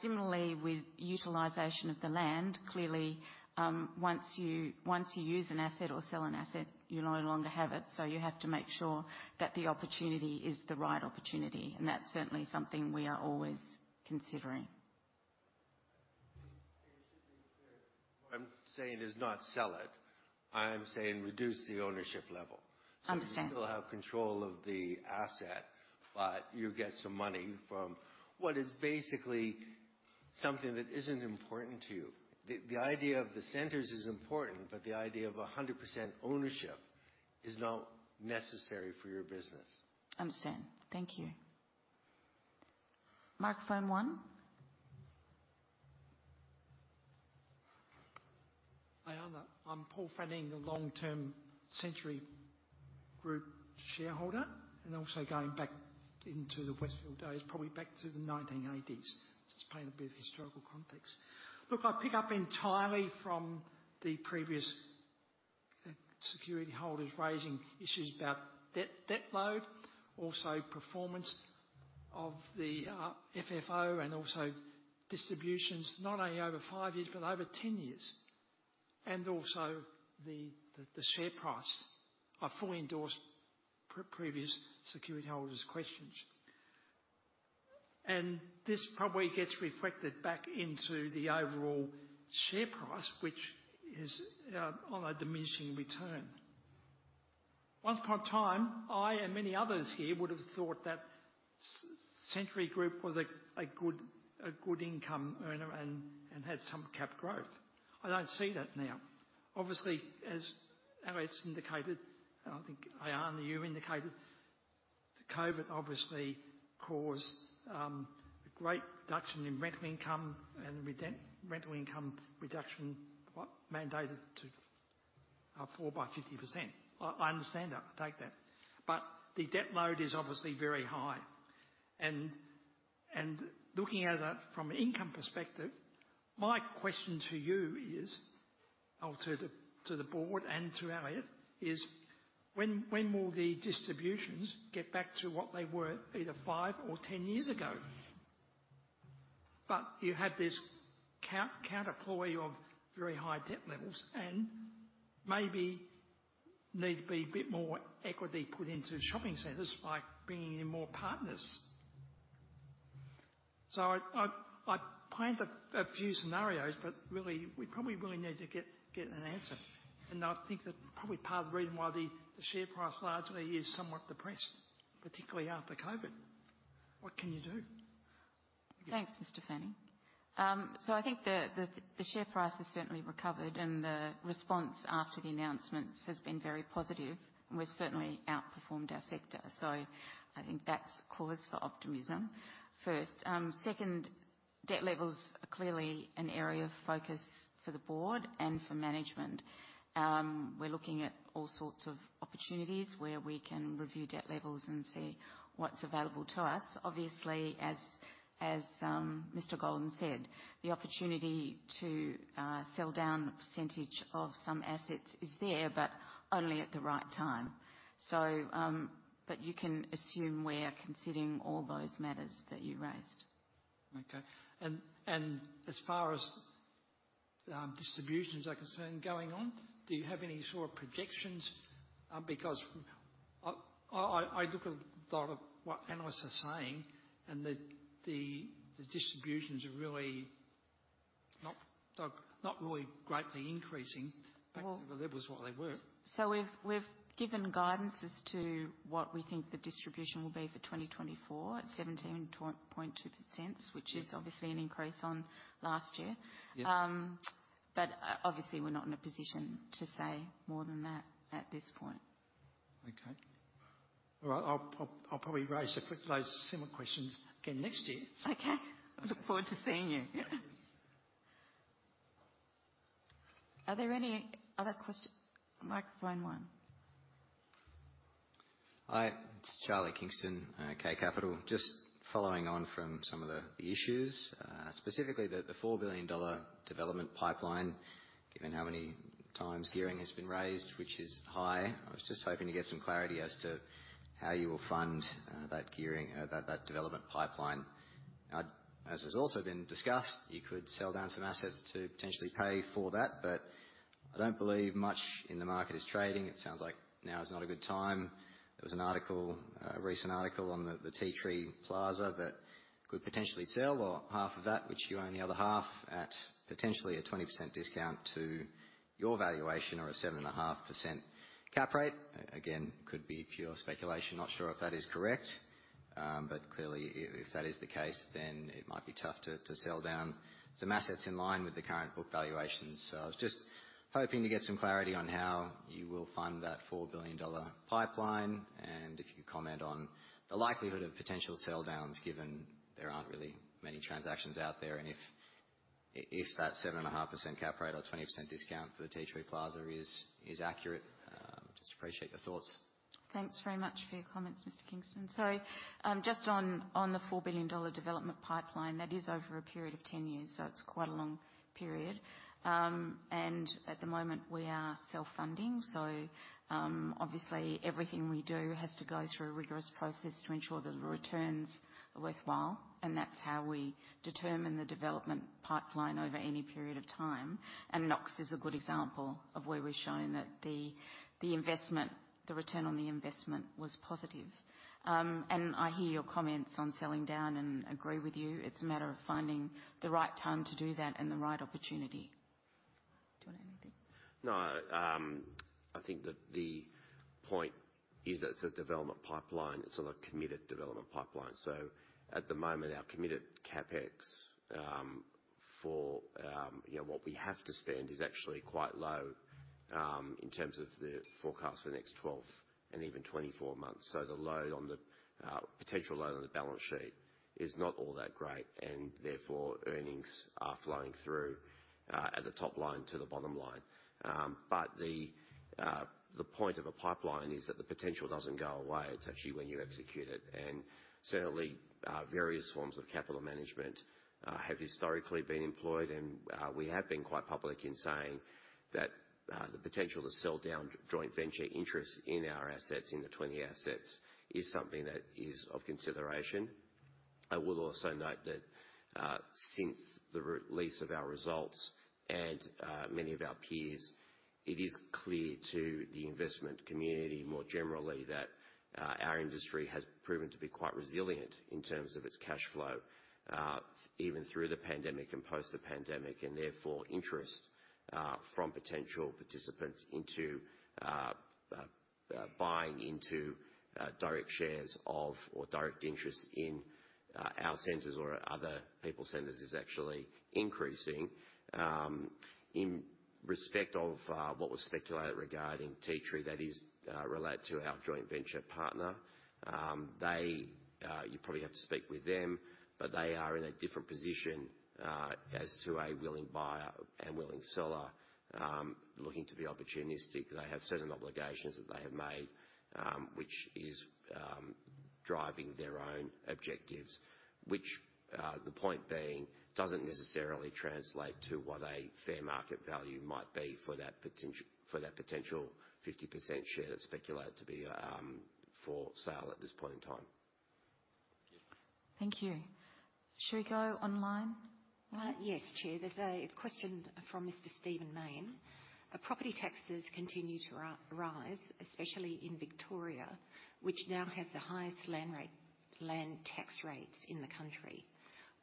Similarly, with utilization of the land, clearly, once you use an asset or sell an asset, you no longer have it, so you have to make sure that the opportunity is the right opportunity, and that's certainly something we are always considering. What I'm saying is not sell it. I'm saying reduce the ownership level. Understand. So you still have control of the asset, but you get some money from what is basically something that isn't important to you. The idea of the centers is important, but the idea of 100% ownership is not necessary for your business. Understand. Thank you. Microphone one. Hi, Anna. I'm Paul Fanning, the long-term Scentre Group shareholder, and also going back into the Westfield days, probably back to the 1980s. Just to paint a bit of historical context. Look, I pick up entirely from the previous security holders raising issues about debt, debt load, also performance of the FFO, and also distributions, not only over five years, but over 10 years, and also the share price. I fully endorse previous security holders' questions. And this probably gets reflected back into the overall share price, which is on a diminishing return. Once upon a time, I and many others here would have thought that Scentre Group was a good income earner and had some cap growth. I don't see that now. Obviously, as Elliott's indicated, and I think, Ilana, you indicated, the COVID obviously caused a great reduction in rental income and rental income reduction, what, mandated to fall by 50%. I, I understand that. I take that. But the debt load is obviously very high and, and looking at it from an income perspective, my question to you is, or to the, to the board and to Elliott, is when, when will the distributions get back to what they were either 5 or 10 years ago? But you have this counterploy of very high debt levels and maybe need to be a bit more equity put into shopping centers by bringing in more partners. So I, I, I paint a, a few scenarios, but really, we probably really need to get, get an answer. I think that's probably part of the reason why the share price largely is somewhat depressed, particularly after COVID. What can you do? Thanks, Mr. Fanning. So I think the share price has certainly recovered, and the response after the announcements has been very positive, and we've certainly outperformed our sector. So I think that's cause for optimism, first. Second, debt levels are clearly an area of focus for the board and for management. We're looking at all sorts of opportunities where we can review debt levels and see what's available to us. Obviously, as Mr. Goldin said, the opportunity to sell down a percentage of some assets is there, but only at the right time. So, but you can assume we are considering all those matters that you raised. Okay. And as far as distributions are concerned going on, do you have any sort of projections? Because I look at a lot of what analysts are saying, and the distributions are really not really greatly increasing- Well- back to the levels what they were. We've given guidance as to what we think the distribution will be for 2024 at 0.172, which is obviously an increase on last year. Yeah. Obviously, we're not in a position to say more than that at this point. Okay. Well, I'll probably raise a quick, those similar questions again next year. Okay. I look forward to seeing you. Are there any other quest... Microphone one. Hi, it's Charlie Kingston at K Capital. Just following on from some of the issues, specifically the 4 billion dollar development pipeline, given how many times gearing has been raised, which is high. I was just hoping to get some clarity as to how you will fund that gearing, that development pipeline. Now, as has also been discussed, you could sell down some assets to potentially pay for that, but I don't believe much in the market is trading. It sounds like now is not a good time. There was an article, a recent article on the Tea Tree Plaza that could potentially sell or half of that, which you own the other half, at potentially a 20% discount to your valuation or a 7.5% cap rate. And-... Again, could be pure speculation, not sure if that is correct. But clearly, if that is the case, then it might be tough to sell down some assets in line with the current book valuations. So I was just hoping to get some clarity on how you will fund that 4 billion dollar pipeline, and if you could comment on the likelihood of potential sell downs, given there aren't really many transactions out there, and if that 7.5% cap rate or 20% discount for the Tea Tree Plaza is accurate. Just appreciate your thoughts. Thanks very much for your comments, Mr. Kingston. So, just on the 4 billion dollar development pipeline, that is over a period of 10 years, so it's quite a long period. And at the moment, we are self-funding, so obviously everything we do has to go through a rigorous process to ensure that the returns are worthwhile, and that's how we determine the development pipeline over any period of time. And Knox is a good example of where we've shown that the investment, the return on the investment was positive. And I hear your comments on selling down and agree with you. It's a matter of finding the right time to do that and the right opportunity. Do you want to add anything? No. I think that the point is that it's a development pipeline. It's not a committed development pipeline. So at the moment, our committed CapEx, for, you know, what we have to spend is actually quite low, in terms of the forecast for the next 12 and even 24 months. So the load on the, potential load on the balance sheet is not all that great, and therefore, earnings are flowing through, at the top line to the bottom line. But the point of a pipeline is that the potential doesn't go away. It's actually when you execute it, and certainly, various forms of capital management, have historically been employed. And, we have been quite public in saying that, the potential to sell down joint venture interest in our assets, in the 20 assets, is something that is of consideration. I will also note that, since the re-release of our results and, many of our peers, it is clear to the investment community more generally, that, our industry has proven to be quite resilient in terms of its cash flow, even through the pandemic and post the pandemic, and therefore, interest, from potential participants into, buying into, direct shares of, or direct interest in, our centers or other people's centers is actually increasing. In respect of what was speculated regarding Tea Tree, that is, related to our joint venture partner, they, you probably have to speak with them, but they are in a different position, as to a willing buyer and willing seller, looking to be opportunistic. They have certain obligations that they have made, which is, driving their own objectives. Which, the point being, doesn't necessarily translate to what a fair market value might be for that potential 50% share that's speculated to be, for sale at this point in time. Thank you. Should we go online? Yes, Chair. There's a question from Mr. Steven Main. "As property taxes continue to rise, especially in Victoria, which now has the highest land rate, land tax rates in the country,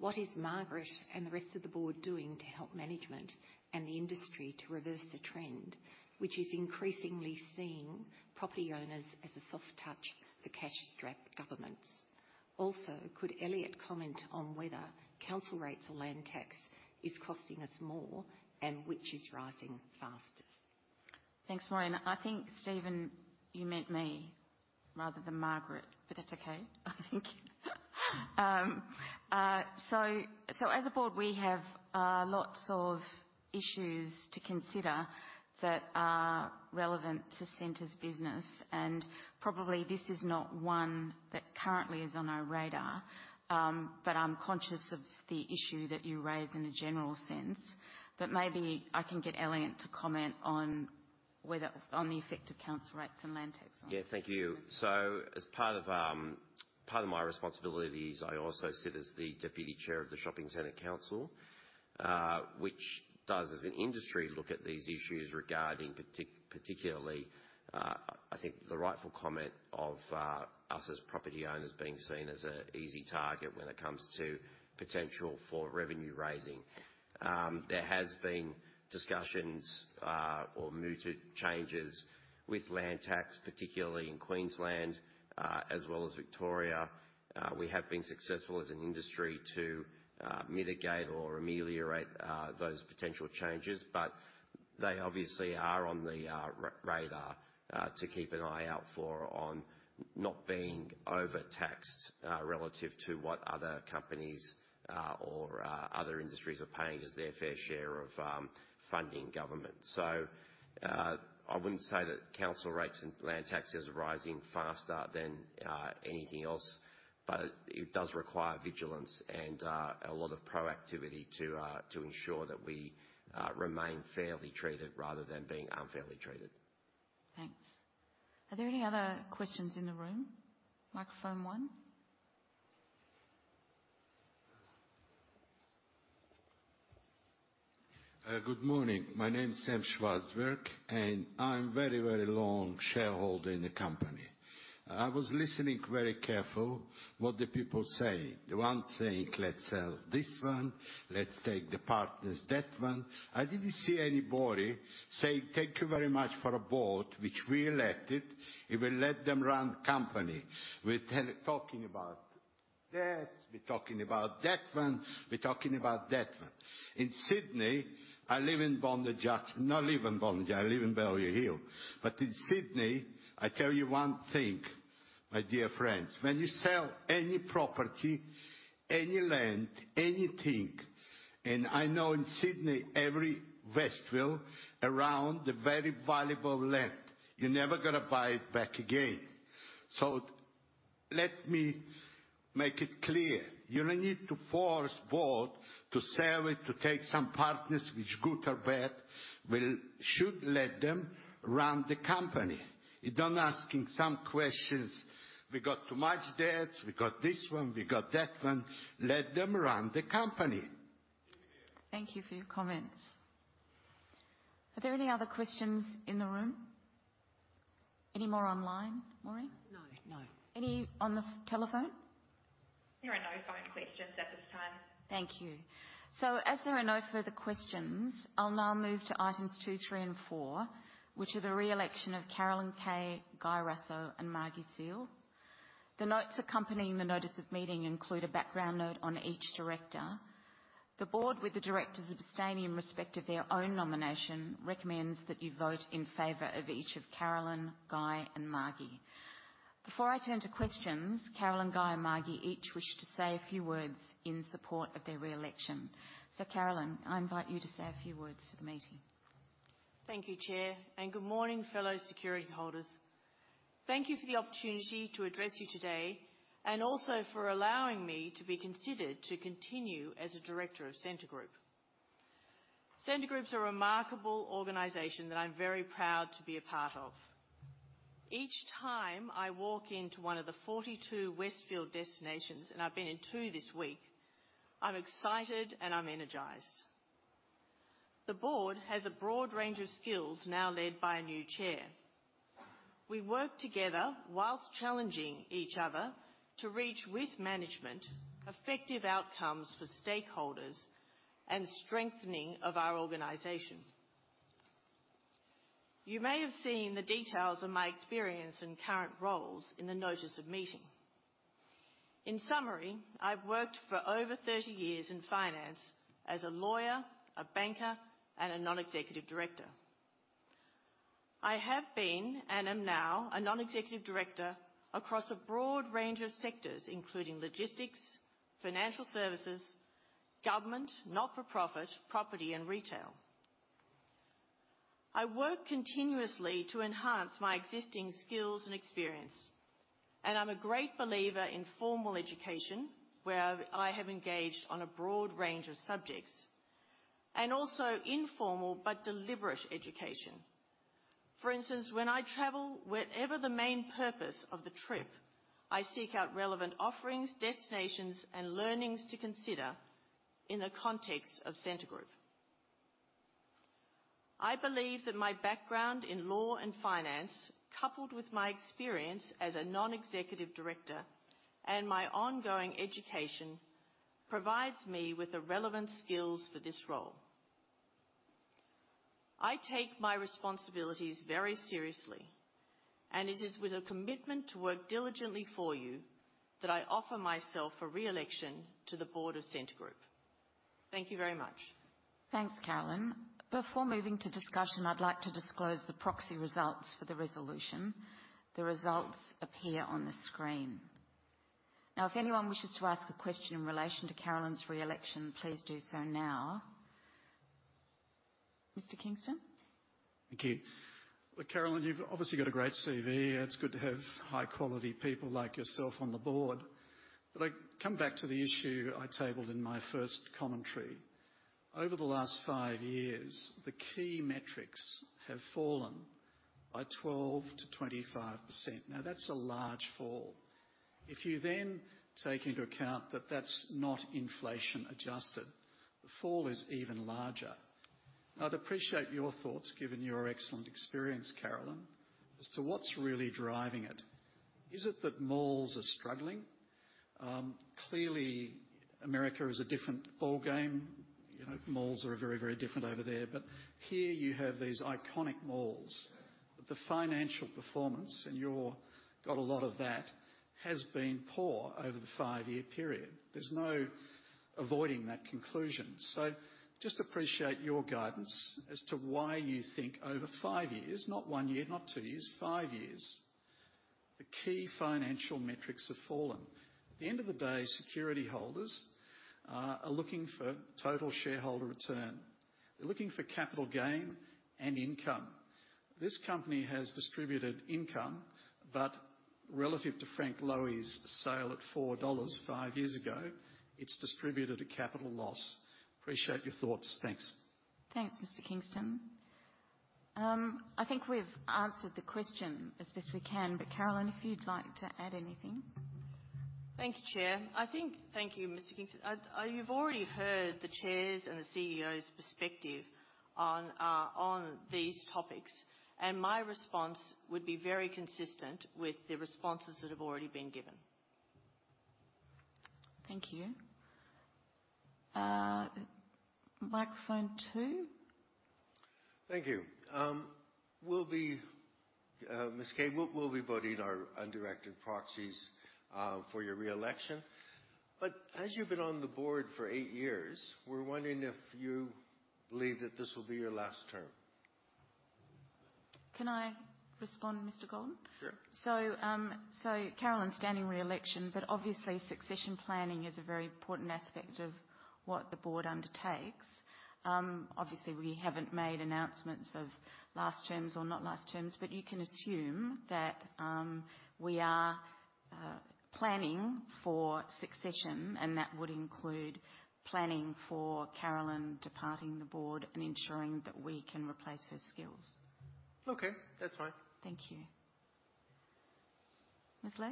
what is Margaret and the rest of the board doing to help management and the industry to reverse the trend, which is increasingly seeing property owners as a soft touch for cash-strapped governments? Also, could Elliott comment on whether council rates or land tax is costing us more, and which is rising fastest? Thanks, Maureen. I think, Steven, you meant me rather than Margaret, but that's okay. Thank you. So as a board, we have lots of issues to consider that are relevant to Scentre's business, and probably this is not one that currently is on our radar. But I'm conscious of the issue that you raised in a general sense, but maybe I can get Elliott to comment on whether, on the effect of council rates and land tax. Yeah. Thank you. So as part of, part of my responsibilities, I also sit as the deputy chair of the Shopping Centre Council, which does, as an industry, look at these issues regarding particularly, I think the rightful comment of, us as property owners being seen as an easy target when it comes to potential for revenue raising. There has been discussions, or mooted changes with land tax, particularly in Queensland, as well as Victoria. We have been successful as an industry to, mitigate or ameliorate, those potential changes, but they obviously are on the, radar, to keep an eye out for on not being overtaxed, relative to what other companies, or, other industries are paying as their fair share of, funding government. I wouldn't say that council rates and land taxes are rising faster than anything else, but it does require vigilance and a lot of proactivity to ensure that we remain fairly treated rather than being unfairly treated. Thanks. Are there any other questions in the room? Microphone one. Good morning. My name is Sam Schwartzberg, and I'm very, very long shareholder in the company-... I was listening very careful what the people say. The one saying, "Let's sell this one. Let's take the partners, that one." I didn't see anybody say, "Thank you very much for a board which we elected. It will let them run the company." We're talking about debts, we're talking about that one, we're talking about that one. In Sydney, I live in Bondi Beach, not live in Bondi, I live in Bellevue Hill. But in Sydney, I tell you one thing, my dear friends, when you sell any property, any land, anything, and I know in Sydney, every Westfield around the very valuable land, you're never gonna buy it back again. So let me make it clear. You don't need to force board to sell it, to take some partners, which good or bad, will should let them run the company. You're done asking some questions. We got too much debts. We got this one, we got that one. Let them run the company. Thank you for your comments. Are there any other questions in the room? Any more online, Maureen? No, no. Any on the telephone? There are no phone questions at this time. Thank you. So as there are no further questions, I'll now move to items two, three, and four, which are the re-election of Carolyn Kay, Guy Russo, and Margie Seale. The notes accompanying the notice of meeting include a background note on each director. The board, with the directors abstaining in respect of their own nomination, recommends that you vote in favor of each of Carolyn, Guy, and Margie. Before I turn to questions, Carolyn, Guy, and Margie each wish to say a few words in support of their re-election. So, Carolyn, I invite you to say a few words to the meeting. Thank you, Chair, and good morning, fellow security holders. Thank you for the opportunity to address you today, and also for allowing me to be considered to continue as a director of Scentre Group. Scentre Group is a remarkable organization that I'm very proud to be a part of. Each time I walk into one of the 42 Westfield destinations, and I've been in 2 this week, I'm excited and I'm energized. The board has a broad range of skills, now led by a new chair. We work together whilst challenging each other to reach, with management, effective outcomes for stakeholders and strengthening of our organization. You may have seen the details of my experience and current roles in the notice of meeting. In summary, I've worked for over 30 years in finance as a lawyer, a banker, and a non-executive director. I have been, and am now, a non-executive director across a broad range of sectors, including logistics, financial services, government, not-for-profit, property, and retail. I work continuously to enhance my existing skills and experience, and I'm a great believer in formal education, where I have engaged on a broad range of subjects, and also informal but deliberate education. For instance, when I travel, wherever the main purpose of the trip, I seek out relevant offerings, destinations, and learnings to consider in the context of Scentre Group. I believe that my background in law and finance, coupled with my experience as a non-executive director and my ongoing education, provides me with the relevant skills for this role. I take my responsibilities very seriously, and it is with a commitment to work diligently for you that I offer myself for re-election to the board of Scentre Group. Thank you very much. Thanks, Carolyn. Before moving to discussion, I'd like to disclose the proxy results for the resolution. The results appear on the screen. Now, if anyone wishes to ask a question in relation to Carolyn's re-election, please do so now. Mr. Kingston? Thank you. Well, Carolyn, you've obviously got a great CV. It's good to have high-quality people like yourself on the board. But I come back to the issue I tabled in my first commentary. Over the last five years, the key metrics have fallen by 12%-25%. Now, that's a large fall. If you then take into account that that's not inflation-adjusted, the fall is even larger. I'd appreciate your thoughts, given your excellent experience, Carolyn, as to what's really driving it. Is it that malls are struggling? Clearly, America is a different ballgame. You know, malls are very, very different over there, but here you have these iconic malls. The financial performance, and you've got a lot of that, has been poor over the five-year period. There's no avoiding that conclusion. Just appreciate your guidance as to why you think over five years, not one year, not two years, five years, the key financial metrics have fallen. At the end of the day, security holders are looking for total shareholder return. They're looking for capital gain and income. This company has distributed income, but relative to Frank Lowy's sale at 4 dollars 5 years ago, it's distributed a capital loss. Appreciate your thoughts. Thanks. Thanks, Mr. Kingston. I think we've answered the question as best we can, but Carolyn, if you'd like to add anything? ... Thank you, Chair. I think, thank you, Mr. Kingston. I, you've already heard the chair's and the CEO's perspective on these topics, and my response would be very consistent with the responses that have already been given. Thank you. Microphone two? Thank you. We'll be, Ms. Kay, we'll be voting our undirected proxies for your re-election. But as you've been on the board for eight years, we're wondering if you believe that this will be your last term? Can I respond, Mr. Goldin? Sure. So, Carolyn is standing for re-election, but obviously succession planning is a very important aspect of what the board undertakes. Obviously, we haven't made announcements of last terms or not last terms, but you can assume that we are planning for succession, and that would include planning for Carolyn departing the board and ensuring that we can replace her skills. Okay, that's fine. Thank you. Ms. Ley?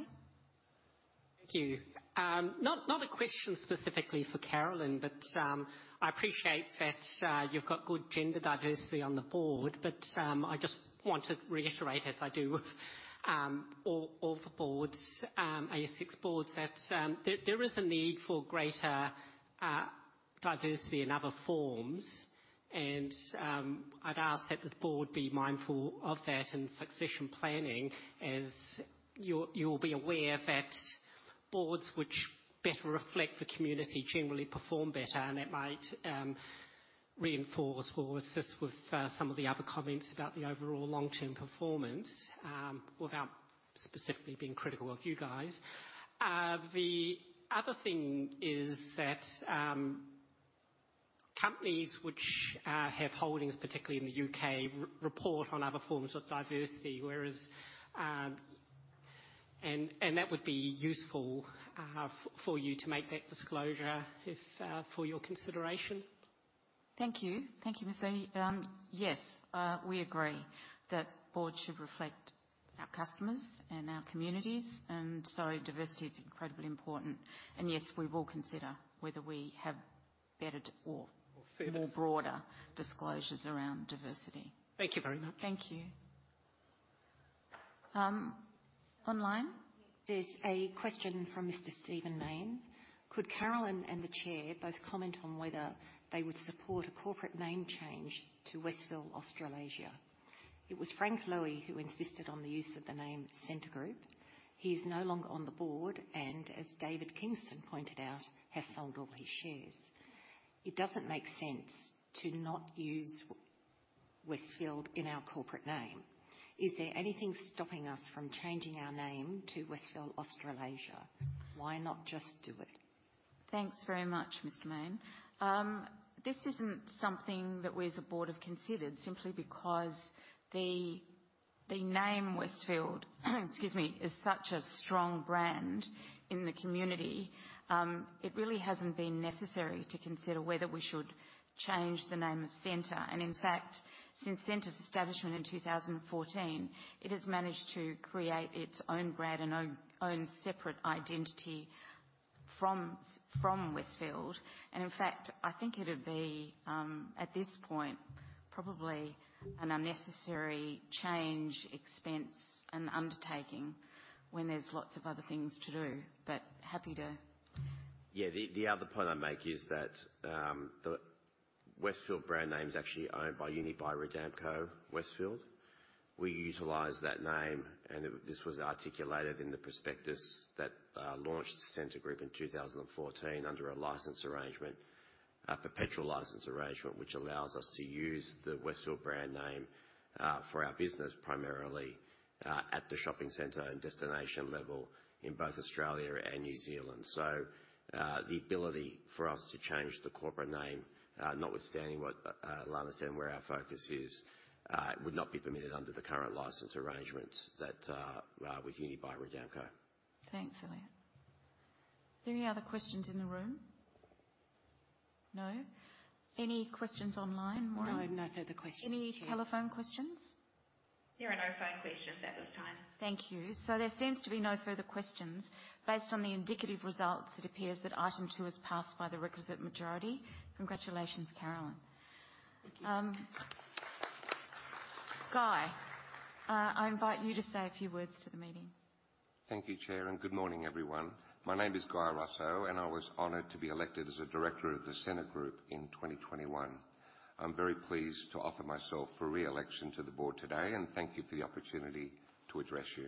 Thank you. Not a question specifically for Carolyn, but I appreciate that you've got good gender diversity on the board, but I just want to reiterate, as I do with all the boards, ASX boards, that there is a need for greater diversity in other forms. And I'd ask that the board be mindful of that in succession planning, as you'll be aware that boards which better reflect the community generally perform better, and it might reinforce or assist with some of the other comments about the overall long-term performance, without specifically being critical of you guys. The other thing is that companies which have holdings, particularly in the UK, report on other forms of diversity, whereas... And that would be useful for you to make that disclosure if for your consideration. Thank you. Thank you, Ms. Ley. Yes, we agree that boards should reflect our customers and our communities, and so diversity is incredibly important. And yes, we will consider whether we have better or- Fairness... or broader disclosures around diversity. Thank you very much. Thank you. Online? There's a question from Mr. Steven Main. Could Carolyn and the Chair both comment on whether they would support a corporate name change to Westfield Australasia? It was Frank Lowy who insisted on the use of the name Scentre Group. He is no longer on the board, and as David Kingston pointed out, has sold all his shares. It doesn't make sense to not use Westfield in our corporate name. Is there anything stopping us from changing our name to Westfield Australasia? Why not just do it? Thanks very much, Mr. Main. This isn't something that we as a board have considered simply because the name Westfield, excuse me, is such a strong brand in the community. It really hasn't been necessary to consider whether we should change the name of Scentre. And in fact, since Scentre's establishment in 2014, it has managed to create its own brand and own separate identity from Westfield. And in fact, I think it'd be, at this point, probably an unnecessary change, expense, and undertaking when there's lots of other things to do. But happy to- Yeah, the other point I'd make is that, the Westfield brand name is actually owned by Unibail-Rodamco-Westfield. We utilize that name, and this was articulated in the prospectus that launched Scentre Group in 2014 under a license arrangement, a perpetual license arrangement, which allows us to use the Westfield brand name for our business, primarily, at the shopping center and destination level in both Australia and New Zealand. So, the ability for us to change the corporate name, notwithstanding what Ilana said, where our focus is, would not be permitted under the current license arrangements that with Unibail-Rodamco. Thanks, Elliott. Any other questions in the room? No? Any questions online, Maureen? No, no further questions, Chair. Any telephone questions? There are no phone questions at this time. Thank you. So there seems to be no further questions. Based on the indicative results, it appears that item two is passed by the requisite majority. Congratulations, Carolyn. Thank you. Guy, I invite you to say a few words to the meeting. Thank you, Chair, and good morning, everyone. My name is Guy Russo, and I was honored to be elected as a director of the Scentre Group in 2021. I'm very pleased to offer myself for re-election to the board today, and thank you for the opportunity to address you.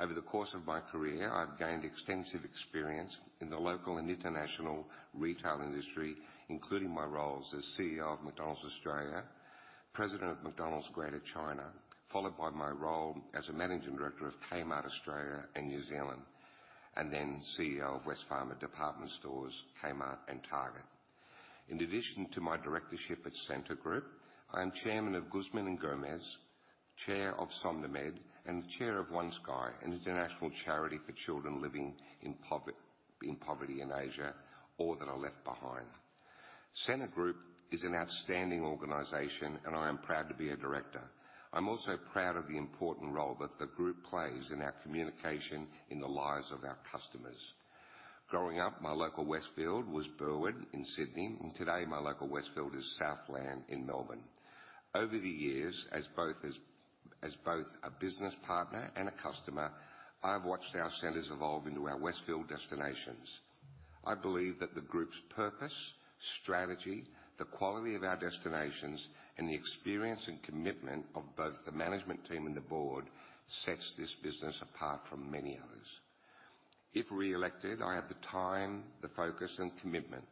Over the course of my career, I've gained extensive experience in the local and international retail industry, including my roles as CEO of McDonald's Australia, President of McDonald's Greater China, followed by my role as a Managing Director of Kmart Australia and New Zealand, and then CEO of Wesfarmers Department Stores, Kmart and Target. In addition to my directorship at Scentre Group, I am Chairman of Guzman y Gomez, Chair of SomnoMed, and the Chair of One Sky, an international charity for children living in poverty in Asia, or that are left behind.... Scentre Group is an outstanding organization, and I am proud to be a director. I'm also proud of the important role that the group plays in our communities in the lives of our customers. Growing up, my local Westfield was Burwood in Sydney, and today my local Westfield is Southland in Melbourne. Over the years, as both a business partner and a customer, I've watched our centers evolve into our Westfield destinations. I believe that the group's purpose, strategy, the quality of our destinations, and the experience and commitment of both the management team and the board sets this business apart from many others. If reelected, I have the time, the focus, and commitment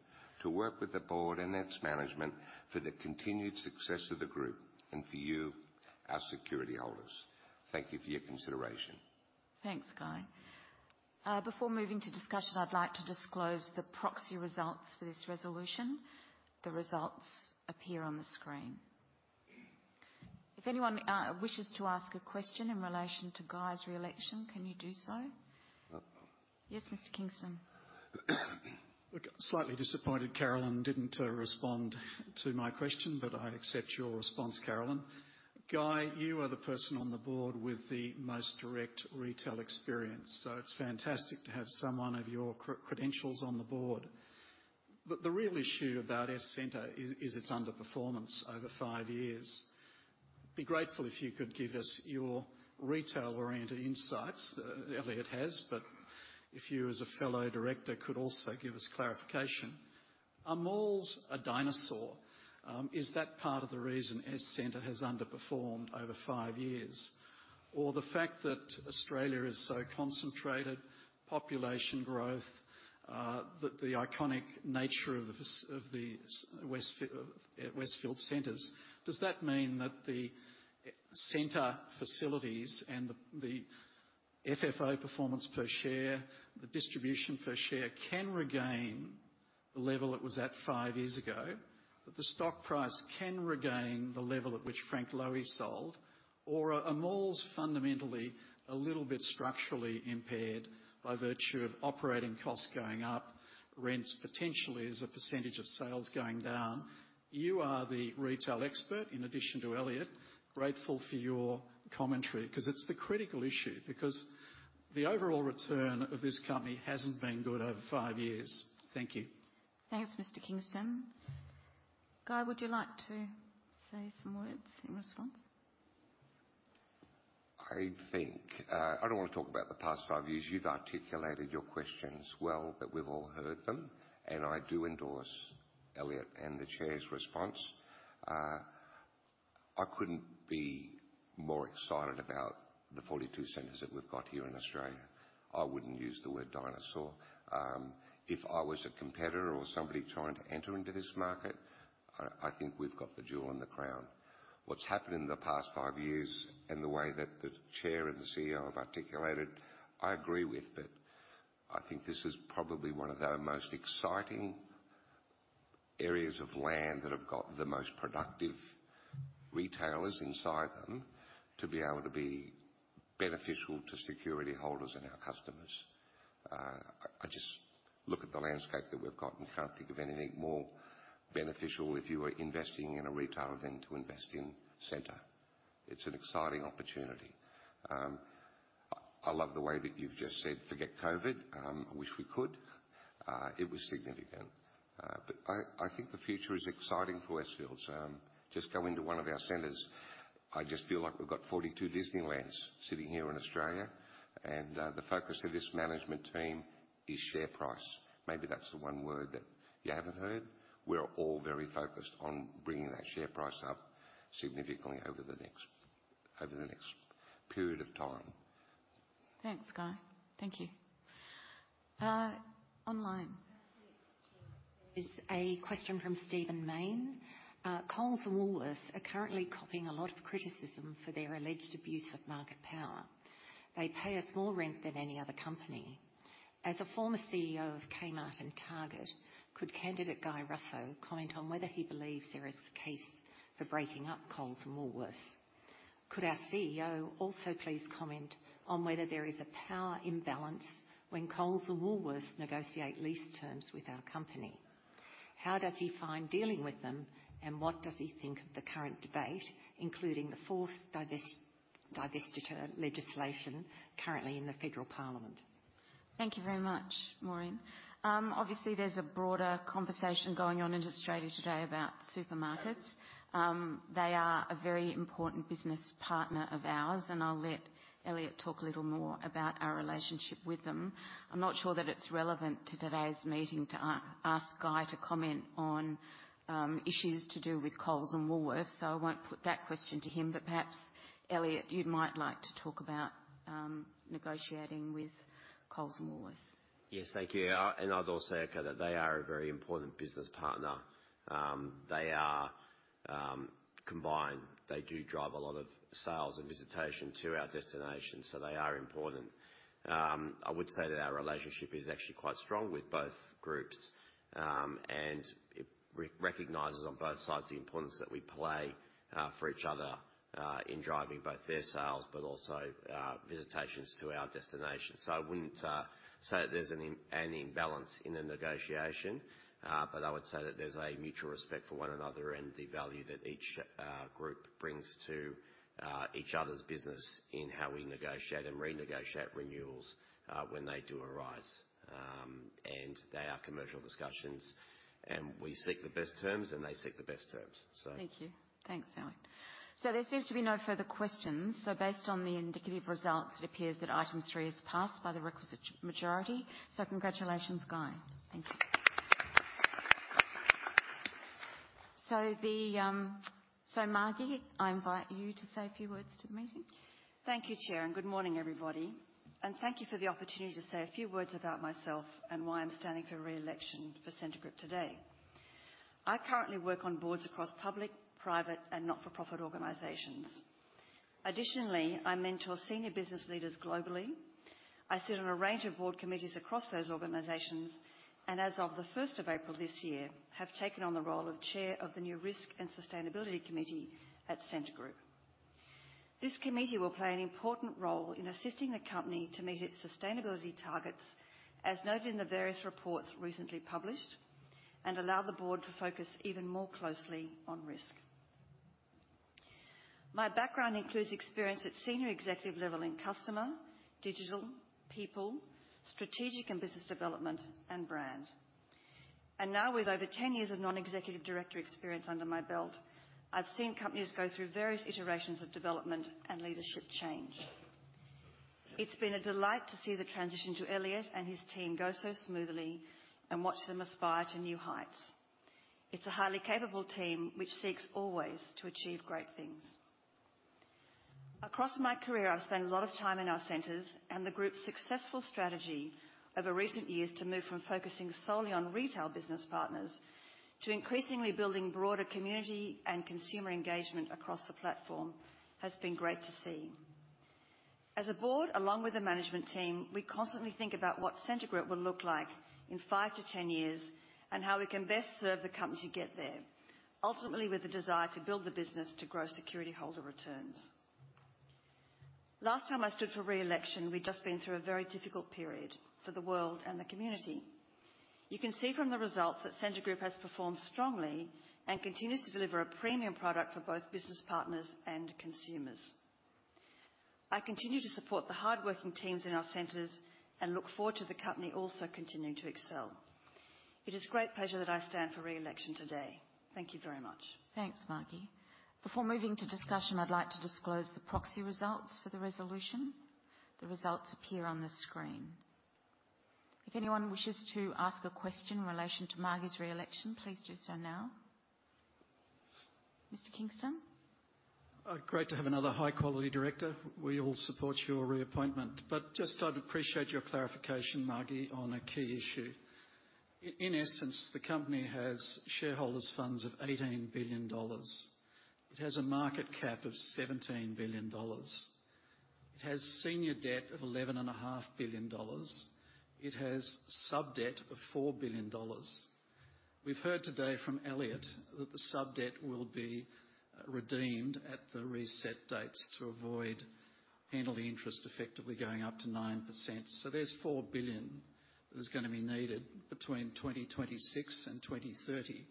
to work with the board and its management for the continued success of the group and for you, our security holders. Thank you for your consideration. Thanks, Guy. Before moving to discussion, I'd like to disclose the proxy results for this resolution. The results appear on the screen. If anyone wishes to ask a question in relation to Guy's reelection, can you do so? Yes, Mr. Kingston. Slightly disappointed Carolyn didn't respond to my question, but I accept your response, Carolyn. Guy, you are the person on the board with the most direct retail experience, so it's fantastic to have someone of your credentials on the board. But the real issue about Scentre is its underperformance over five years. Be grateful if you could give us your retail-oriented insights. Elliott has, but if you, as a fellow director, could also give us clarification. Are malls a dinosaur? Is that part of the reason Scentre has underperformed over five years? Or the fact that Australia is so concentrated, population growth, the iconic nature of the Westfield centers, does that mean that the center facilities and the FFO performance per share, the distribution per share, can regain the level it was at five years ago? That the stock price can regain the level at which Frank Lowy sold, or are malls fundamentally a little bit structurally impaired by virtue of operating costs going up, rents potentially as a percentage of sales going down? You are the retail expert, in addition to Elliott. Grateful for your commentary, 'cause it's the critical issue, because the overall return of this company hasn't been good over five years. Thank you. Thanks, Mr. Kingston. Guy, would you like to say some words in response? I think, I don't want to talk about the past five years. You've articulated your questions well, that we've all heard them, and I do endorse Elliott and the chair's response. I couldn't be more excited about the 42 centers that we've got here in Australia. I wouldn't use the word dinosaur. If I was a competitor or somebody trying to enter into this market, I, I think we've got the jewel in the crown. What's happened in the past five years, and the way that the chair and the CEO have articulated, I agree with, but I think this is probably one of the most exciting areas of land that have got the most productive retailers inside them to be able to be beneficial to security holders and our customers. I just look at the landscape that we've got and can't think of anything more beneficial if you are investing in a retailer than to invest in Scentre. It's an exciting opportunity. I love the way that you've just said forget COVID. I wish we could. It was significant. But I think the future is exciting for Westfield. Just go into one of our centers. I just feel like we've got 42 Disneylands sitting here in Australia, and the focus of this management team is share price. Maybe that's the one word that you haven't heard. We're all very focused on bringing that share price up significantly over the next period of time. Thanks, Guy. Thank you. Online. It's a question from Steven Main. Coles and Woolworths are currently copping a lot of criticism for their alleged abuse of market power. They pay a smaller rent than any other company. As a former CEO of Kmart and Target, could candidate Guy Russo comment on whether he believes there is a case for breaking up Coles and Woolworths? Could our CEO also please comment on whether there is a power imbalance when Coles and Woolworths negotiate lease terms with our company? How does he find dealing with them, and what does he think of the current debate, including the forced divestiture legislation currently in the Federal Parliament? Thank you very much, Maureen. Obviously, there's a broader conversation going on in Australia today about supermarkets. They are a very important business partner of ours, and I'll let Elliot talk a little more about our relationship with them. I'm not sure that it's relevant to today's meeting to ask Guy to comment on issues to do with Coles and Woolworths, so I won't put that question to him. But perhaps, Elliot, you might like to talk about negotiating with Coles and Woolworths. ... Yes, thank you. And I'd also echo that they are a very important business partner. They are combined. They do drive a lot of sales and visitation to our destination, so they are important. I would say that our relationship is actually quite strong with both groups. And it recognizes on both sides the importance that we play for each other in driving both their sales but also visitations to our destination. So I wouldn't say that there's an imbalance in the negotiation, but I would say that there's a mutual respect for one another and the value that each group brings to each other's business in how we negotiate and renegotiate renewals when they do arise. They are commercial discussions, and we seek the best terms, and they seek the best terms, so. Thank you. Thanks, Elliott. So there seems to be no further questions. So based on the indicative results, it appears that item three is passed by the requisite majority. So congratulations, Guy. Thank you. So the, so, Margie, I invite you to say a few words to the meeting. Thank you, Chair, and good morning, everybody, and thank you for the opportunity to say a few words about myself and why I'm standing for re-election for Scentre Group today. I currently work on boards across public, private, and not-for-profit organizations. Additionally, I mentor senior business leaders globally. I sit on a range of board committees across those organizations, and as of the first of April this year, have taken on the role of chair of the new Risk and Sustainability Committee at Scentre Group. This committee will play an important role in assisting the company to meet its sustainability targets, as noted in the various reports recently published, and allow the board to focus even more closely on risk. My background includes experience at senior executive level in customer, digital, people, strategic and business development, and brand. Now, with over 10 years of non-executive director experience under my belt, I've seen companies go through various iterations of development and leadership change. It's been a delight to see the transition to Elliott and his team go so smoothly and watch them aspire to new heights. It's a highly capable team which seeks always to achieve great things. Across my career, I've spent a lot of time in our centers, and the group's successful strategy over recent years to move from focusing solely on retail business partners, to increasingly building broader community and consumer engagement across the platform, has been great to see. As a board, along with the management team, we constantly think about what Scentre Group will look like in five-10 years and how we can best serve the company to get there, ultimately with the desire to build the business to grow security holder returns. Last time I stood for re-election, we'd just been through a very difficult period for the world and the community. You can see from the results that Scentre Group has performed strongly and continues to deliver a premium product for both business partners and consumers. I continue to support the hardworking teams in our centers and look forward to the company also continuing to excel. It is a great pleasure that I stand for re-election today. Thank you very much. Thanks, Margie. Before moving to discussion, I'd like to disclose the proxy results for the resolution. The results appear on the screen. If anyone wishes to ask a question in relation to Margi's re-election, please do so now. Mr. Kingston? Great to have another high-quality director. We all support your reappointment, but just I'd appreciate your clarification, Margie, on a key issue. In essence, the company has shareholders' funds of 18 billion dollars. It has a market cap of 17 billion dollars. It has senior debt of 11.5 billion dollars. It has sub-debt of 4 billion dollars. We've heard today from Elliott that the sub-debt will be redeemed at the reset dates to avoid handling interest effectively going up to 9%. So there's 4 billion that is gonna be needed between 2026 and 2030.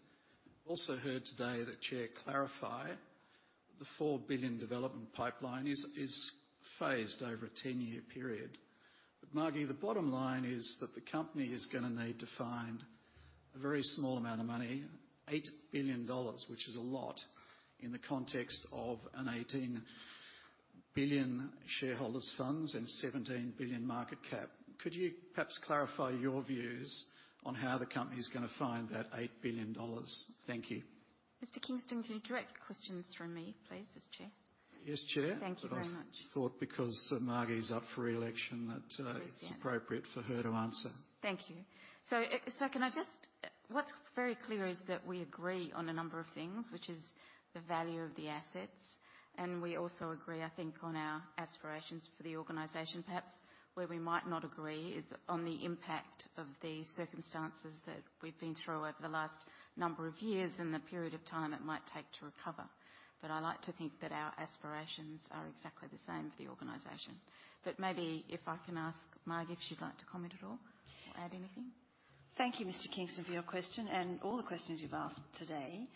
Also heard today, the chair clarify the 4 billion development pipeline is phased over a 10-year period. Margie, the bottom line is that the company is gonna need to find a very small amount of money, 8 billion dollars, which is a lot in the context of an 18 billion shareholders' funds and 17 billion market cap. Could you perhaps clarify your views on how the company is gonna find that 8 billion dollars? Thank you. Mr. Kingston, can you direct questions through me, please, as Chair? Yes, Chair. Thank you very much. I thought because Margie is up for re-election, that, Yes, yeah. It's appropriate for her to answer. Thank you. So, so can I just... What's very clear is that we agree on a number of things, which is the value of the assets, and we also agree, I think, on our aspirations for the organization. Perhaps where we might not agree is on the impact of the circumstances that we've been through over the last number of years and the period of time it might take to recover. But I like to think that our aspirations are exactly the same for the organization. But maybe if I can ask Margie, if you'd like to comment at all or add anything? Thank you, Mr. Kingston, for your question and all the questions you've asked today.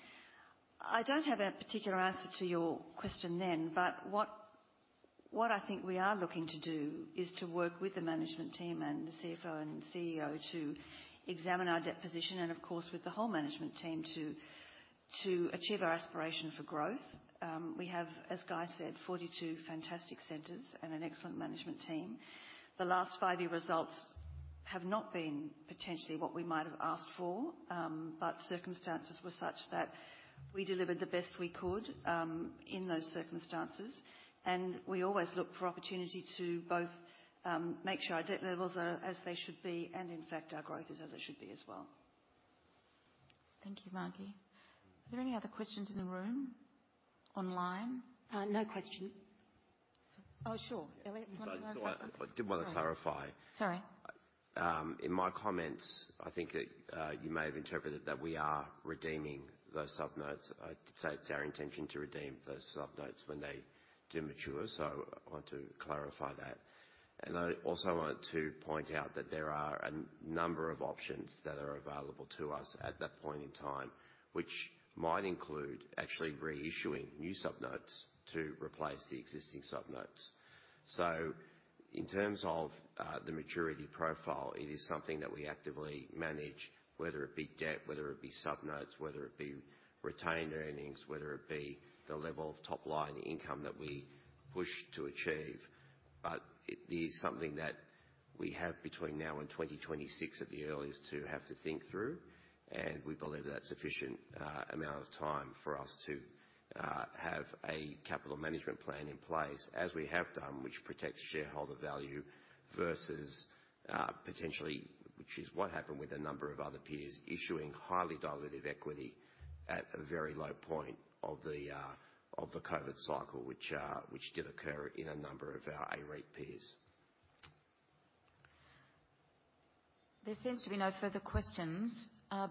I don't have a particular answer to your question then, but what I think we are looking to do is to work with the management team and the CFO and CEO to examine our debt position and, of course, with the whole management team, to achieve our aspiration for growth. We have, as Guy said, 42 fantastic centers and an excellent management team. The last five-year results have not been-... potentially what we might have asked for, but circumstances were such that we delivered the best we could, in those circumstances. And we always look for opportunity to both, make sure our debt levels are as they should be, and in fact, our growth is as it should be as well. Thank you, Margie. Are there any other questions in the room? Online? No question. Oh, sure. Elliott, you want to- I did want to clarify. Sorry. In my comments, I think that you may have interpreted that we are redeeming those subnotes. I'd say it's our intention to redeem those subnotes when they do mature, so I want to clarify that. I also wanted to point out that there are a number of options that are available to us at that point in time, which might include actually reissuing new subnotes to replace the existing subnotes. In terms of the maturity profile, it is something that we actively manage, whether it be debt, whether it be subnotes, whether it be retained earnings, whether it be the level of top-line income that we push to achieve. But it is something that we have between now and 2026, at the earliest, to have to think through, and we believe that's a sufficient amount of time for us to have a capital management plan in place, as we have done, which protects shareholder value versus potentially, which is what happened with a number of other peers, issuing highly dilutive equity at a very low point of the COVID cycle, which did occur in a number of our AREIT peers. There seems to be no further questions.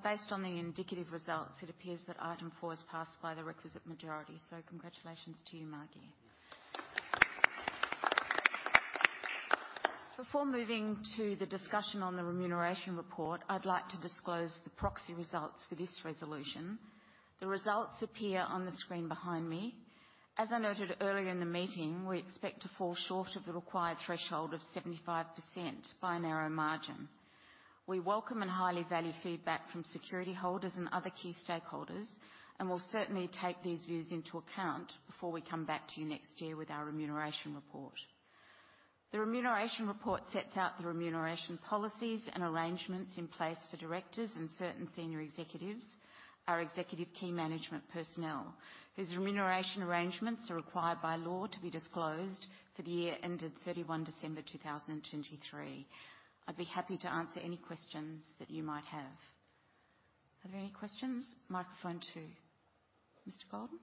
Based on the indicative results, it appears that item four is passed by the requisite majority. So congratulations to you, Margie. Before moving to the discussion on the remuneration report, I'd like to disclose the proxy results for this resolution. The results appear on the screen behind me. As I noted earlier in the meeting, we expect to fall short of the required threshold of 75% by a narrow margin. We welcome and highly value feedback from security holders and other key stakeholders, and we'll certainly take these views into account before we come back to you next year with our remuneration report. The remuneration report sets out the remuneration policies and arrangements in place for directors and certain senior executives, our executive key management personnel, whose remuneration arrangements are required by law to be disclosed for the year ended 31 December 2023. I'd be happy to answer any questions that you might have. Are there any questions? Microphone two. Mr. Goldin?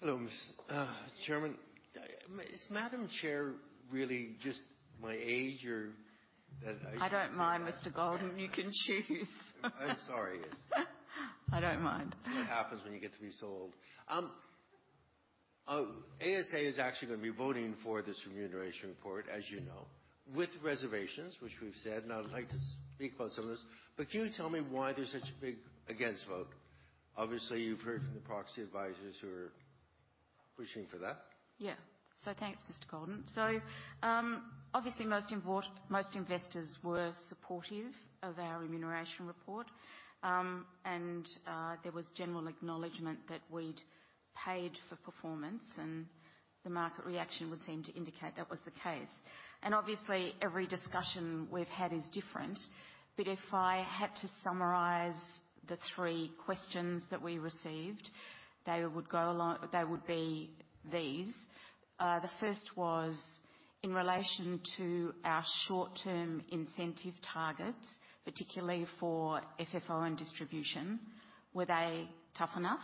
Hello, Ms., Chairman. Is Madam Chair really just my age or that I- I don't mind, Mr. Goldin. You can choose. I'm sorry. I don't mind. It's what happens when you get to be so old. ASA is actually gonna be voting for this remuneration report, as you know, with reservations, which we've said, and I'd like to speak about some of this. But can you tell me why there's such a big against vote? Obviously, you've heard from the proxy advisors who are pushing for that. Yeah. So thanks, Mr. Goldin. So, obviously, most investors were supportive of our remuneration report. And there was general acknowledgment that we'd paid for performance, and the market reaction would seem to indicate that was the case. And obviously, every discussion we've had is different, but if I had to summarize the three questions that we received, they would be these. The first was in relation to our short-term incentive targets, particularly for FFO and distribution. Were they tough enough?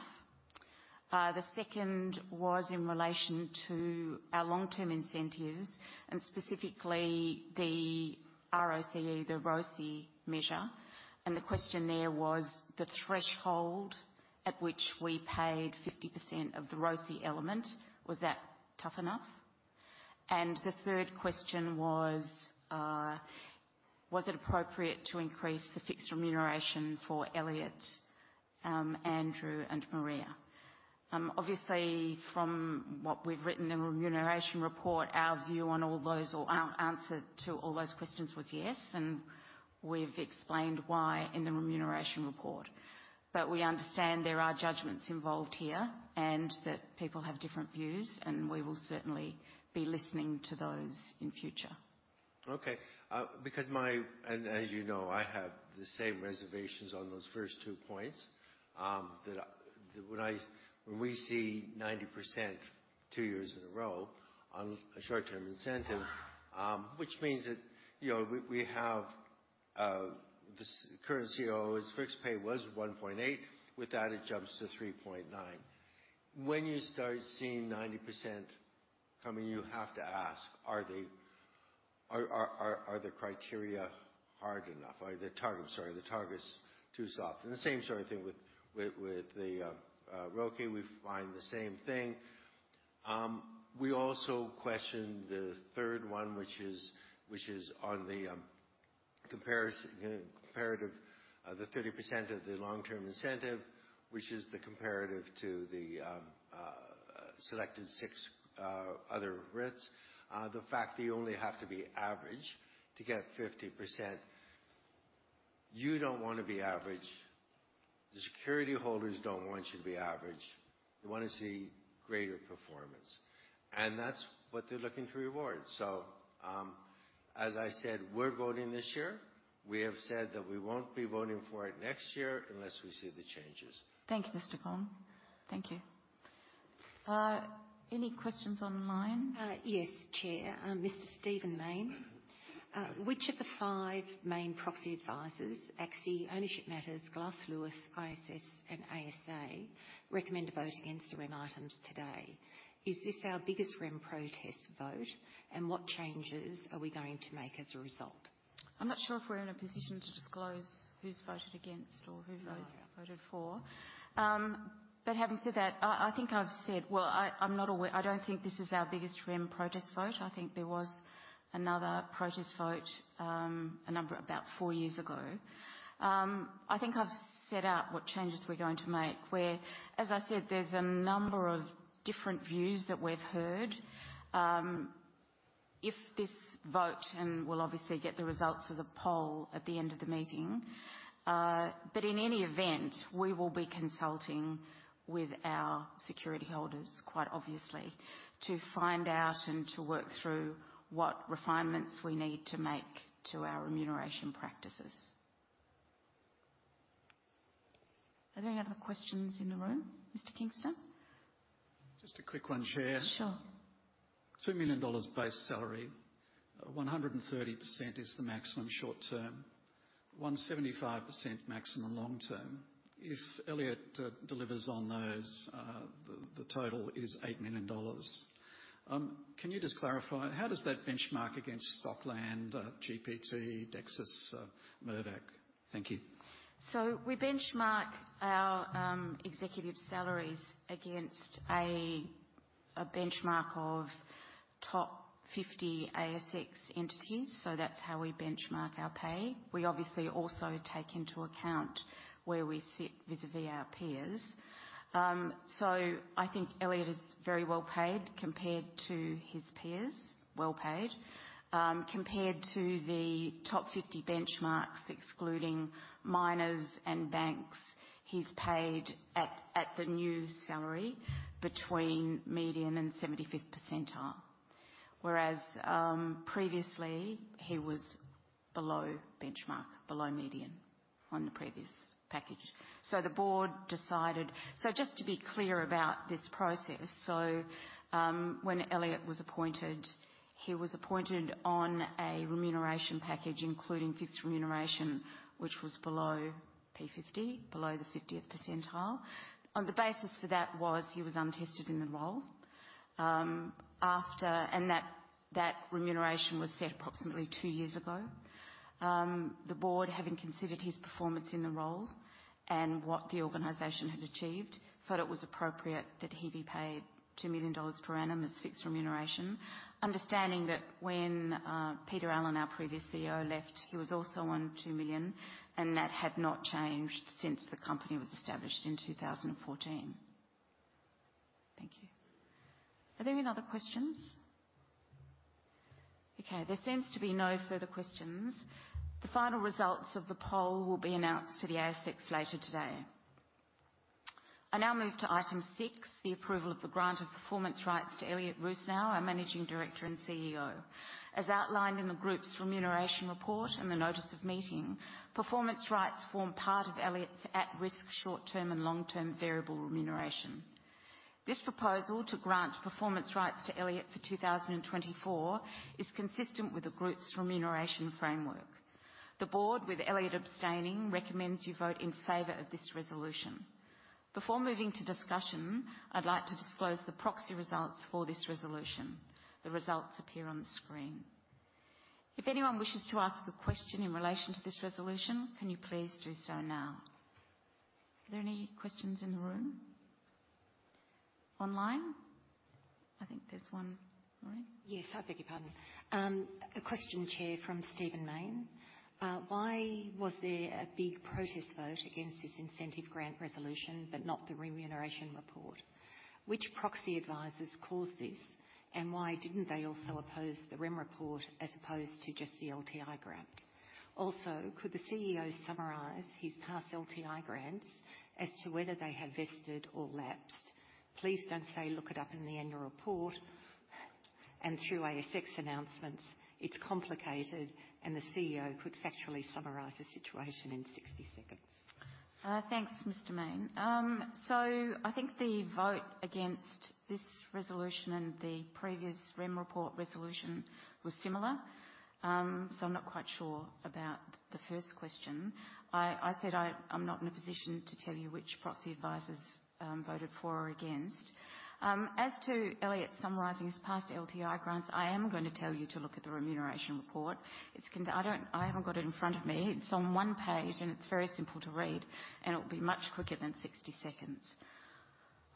The second was in relation to our long-term incentives and specifically the R-O-C-E, the ROCE measure. And the question there was the threshold at which we paid 50% of the ROCE element, was that tough enough? And the third question was: Was it appropriate to increase the fixed remuneration for Elliott, Andrew, and Maria? Obviously, from what we've written in the remuneration report, our view on all those or our answer to all those questions was yes, and we've explained why in the remuneration report. But we understand there are judgments involved here and that people have different views, and we will certainly be listening to those in future. Okay, because my... And as you know, I have the same reservations on those first two points. That when we see 90% two years in a row on a short-term incentive, which means that, you know, we have this current CEO, his fixed pay was 1.8. With that, it jumps to 3.9. When you start seeing 90% coming, you have to ask: Are they the criteria hard enough? Are the targets, sorry, are the targets too soft? And the same sort of thing with the ROCE, we find the same thing. We also question the third one, which is on the comparative, the 30% of the long-term incentive, which is the comparative to the selected six other REITs. The fact that you only have to be average to get 50%. You don't want to be average. The security holders don't want you to be average. They want to see greater performance, and that's what they're looking to reward. So, as I said, we're voting this year. We have said that we won't be voting for it next year unless we see the changes. Thank you, Mr. Goldin. Thank you. Any questions online? Yes, Chair. Mr. Steven Main. Which of the five main proxy advisors, ACSI, Ownership Matters, Glass Lewis, ISS, and ASA, recommend a vote against the REM items today? Is this our biggest REM protest vote, and what changes are we going to make as a result? I'm not sure if we're in a position to disclose who's voted against or who voted, voted for. But having said that, I think I've said, well, I, I'm not aware—I don't think this is our biggest REM protest vote. I think there was another protest vote, a number about four years ago. I think I've set out what changes we're going to make, where, as I said, there's a number of different views that we've heard. If this vote, and we'll obviously get the results of the poll at the end of the meeting. But in any event, we will be consulting with our security holders, quite obviously, to find out and to work through what refinements we need to make to our remuneration practices. Are there any other questions in the room, Mr. Kingston? Just a quick one, Chair. Sure. 2 million dollars base salary, 130% is the maximum short term, 175% maximum long term. If Elliott delivers on those, the total is 8 million dollars. Can you just clarify, how does that benchmark against Stockland, GPT, Dexus, Mirvac? Thank you. So we benchmark our executive salaries against a benchmark of top 50 ASX entities, so that's how we benchmark our pay. We obviously also take into account where we sit vis-à-vis our peers. So I think Elliott is very well paid compared to his peers, well paid. Compared to the top 50 benchmarks, excluding miners and banks, he's paid at the new salary between median and 75th percentile. Whereas previously, he was below benchmark, below median on the previous package. So the board decided. So just to be clear about this process, when Elliott was appointed, he was appointed on a remuneration package, including fixed remuneration, which was below P50, below the 50th percentile. And the basis for that was he was untested in the role. And that remuneration was set approximately two years ago. The board, having considered his performance in the role and what the organization had achieved, thought it was appropriate that he be paid 2 million dollars per annum as fixed remuneration. Understanding that when Peter Allen, our previous CEO, left, he was also on 2 million, and that had not changed since the company was established in 2014. Thank you. Are there any other questions? Okay, there seems to be no further questions. The final results of the poll will be announced to the ASX later today. I now move to item 6, the approval of the grant of performance rights to Elliott Rusanow, our Managing Director and CEO. As outlined in the group's remuneration report and the notice of meeting, performance rights form part of Elliott's at-risk short-term and long-term variable remuneration. This proposal to grant performance rights to Elliott for 2024 is consistent with the group's remuneration framework. The board, with Elliott abstaining, recommends you vote in favor of this resolution. Before moving to discussion, I'd like to disclose the proxy results for this resolution. The results appear on the screen. If anyone wishes to ask a question in relation to this resolution, can you please do so now? Are there any questions in the room? Online? I think there's one. Maureen? Yes, I beg your pardon. A question, Chair, from Steven Main. Why was there a big protest vote against this incentive grant resolution, but not the remuneration report? Which proxy advisors caused this, and why didn't they also oppose the REM report as opposed to just the LTI grant? Also, could the CEO summarize his past LTI grants as to whether they have vested or lapsed? Please don't say, "Look it up in the annual report," and through ASX announcements. It's complicated, and the CEO could factually summarize the situation in 60 seconds. Thanks, Mr. Mayne. So I think the vote against this resolution and the previous remuneration report resolution was similar. So I'm not quite sure about the first question. I said, I'm not in a position to tell you which proxy advisors voted for or against. As to Elliott summarizing his past LTI grants, I am going to tell you to look at the remuneration report. I don't, I haven't got it in front of me. It's on one page, and it's very simple to read, and it'll be much quicker than 60 seconds.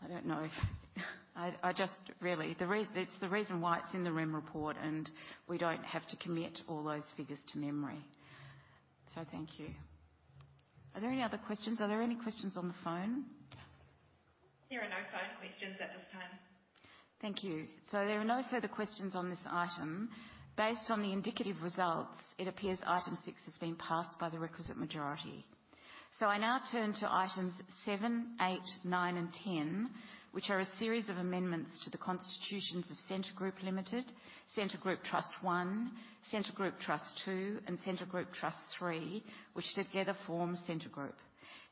I don't know if... I just really, it's the reason why it's in the remuneration report, and we don't have to commit all those figures to memory. So thank you. Are there any other questions? Are there any questions on the phone? There are no phone questions at this time. Thank you. So there are no further questions on this item. Based on the indicative results, it appears item six has been passed by the requisite majority. So I now turn to items seven, eight, nine, and 10, which are a series of amendments to the constitutions of Scentre Group Limited, Scentre Group Trust One, Scentre Group Trust Two, and Scentre Group Trust Three, which together form Scentre Group.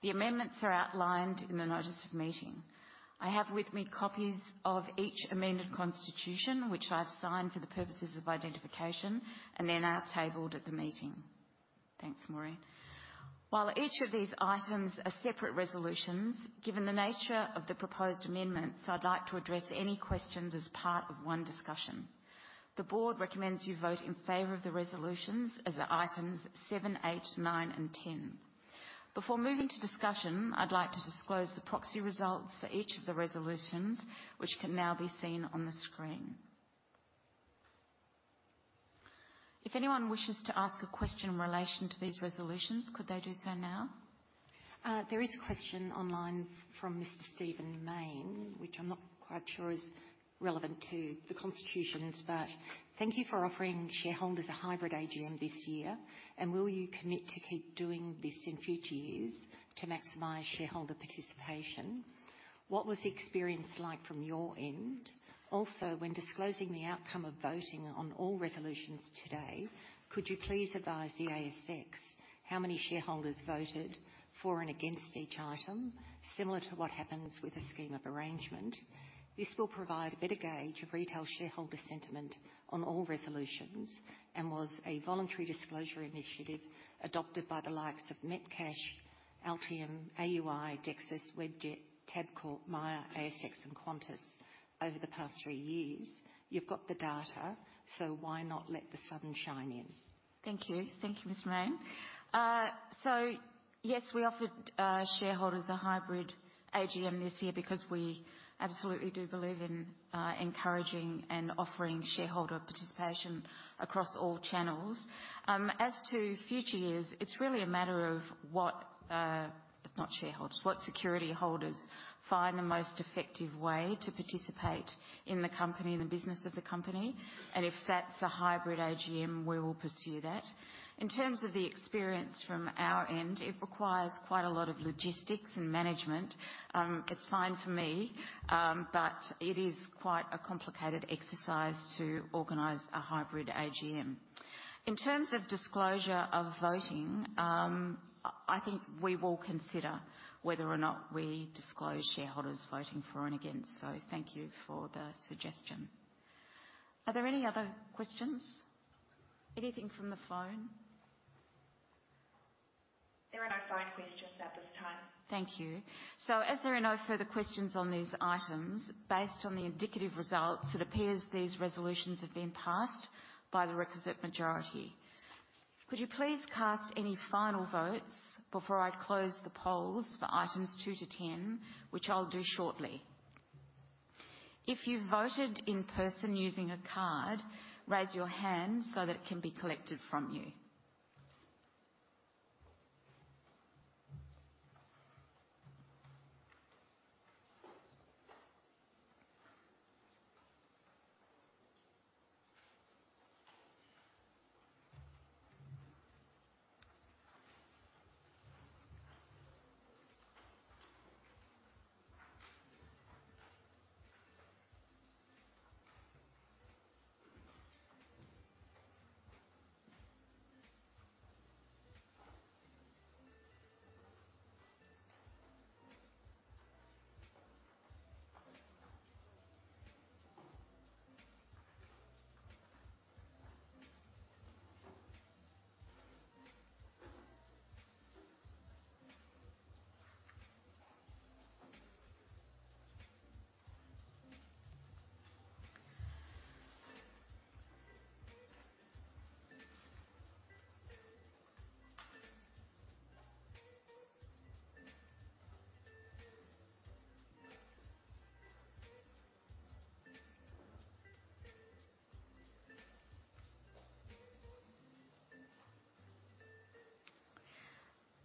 The amendments are outlined in the notice of meeting. I have with me copies of each amended constitution, which I've signed for the purposes of identification and they are now tabled at the meeting. Thanks, Maureen. While each of these items are separate resolutions, given the nature of the proposed amendments, I'd like to address any questions as part of one discussion. The board recommends you vote in favor of the resolutions as items seven, eight, nine, and 10. Before moving to discussion, I'd like to disclose the proxy results for each of the resolutions, which can now be seen on the screen. If anyone wishes to ask a question in relation to these resolutions, could they do so now? There is a question online from Mr. Steven Main, which I'm not quite sure is relevant to the constitutions, but thank you for offering shareholders a hybrid AGM this year, and will you commit to keep doing this in future years to maximize shareholder participation? What was the experience like from your end? Also, when disclosing the outcome of voting on all resolutions today, could you please advise the ASX how many shareholders voted for and against each item, similar to what happens with a scheme of arrangement? This will provide a better gauge of retail shareholder sentiment on all resolutions, and was a voluntary disclosure initiative adopted by the likes of Metcash, Altium, AUI, Dexus, Webjet, Tabcorp, Myer, ASX, and Qantas over the past three years. You've got the data, so why not let the sun shine in? Thank you. Thank you, Ms. Main. So yes, we offered shareholders a hybrid AGM this year because we absolutely do believe in encouraging and offering shareholder participation across all channels. As to future years, it's really a matter of what, if not shareholders, what security holders find the most effective way to participate in the company and the business of the company, and if that's a hybrid AGM, we will pursue that. In terms of the experience from our end, it requires quite a lot of logistics and management. It's fine for me, but it is quite a complicated exercise to organize a hybrid AGM. In terms of disclosure of voting, I think we will consider whether or not we disclose shareholders voting for and against. So thank you for the suggestion. Are there any other questions? Anything from the phone? There are no phone questions at this time. Thank you. So as there are no further questions on these items, based on the indicative results, it appears these resolutions have been passed by the requisite majority. Could you please cast any final votes before I close the polls for items two to 10, which I'll do shortly? If you've voted in person using a card, raise your hand so that it can be collected from you.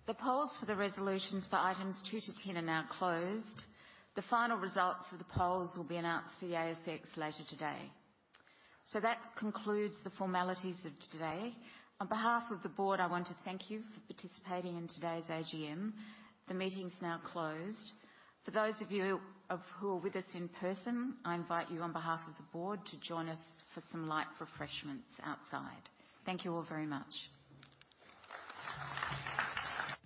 The polls for the resolutions for items two to 10 are now closed. The final results of the polls will be announced to the ASX later today. So that concludes the formalities of today. On behalf of the board, I want to thank you for participating in today's AGM. The meeting is now closed. For those of you, who are with us in person, I invite you on behalf of the board to join us for some light refreshments outside. Thank you all very much.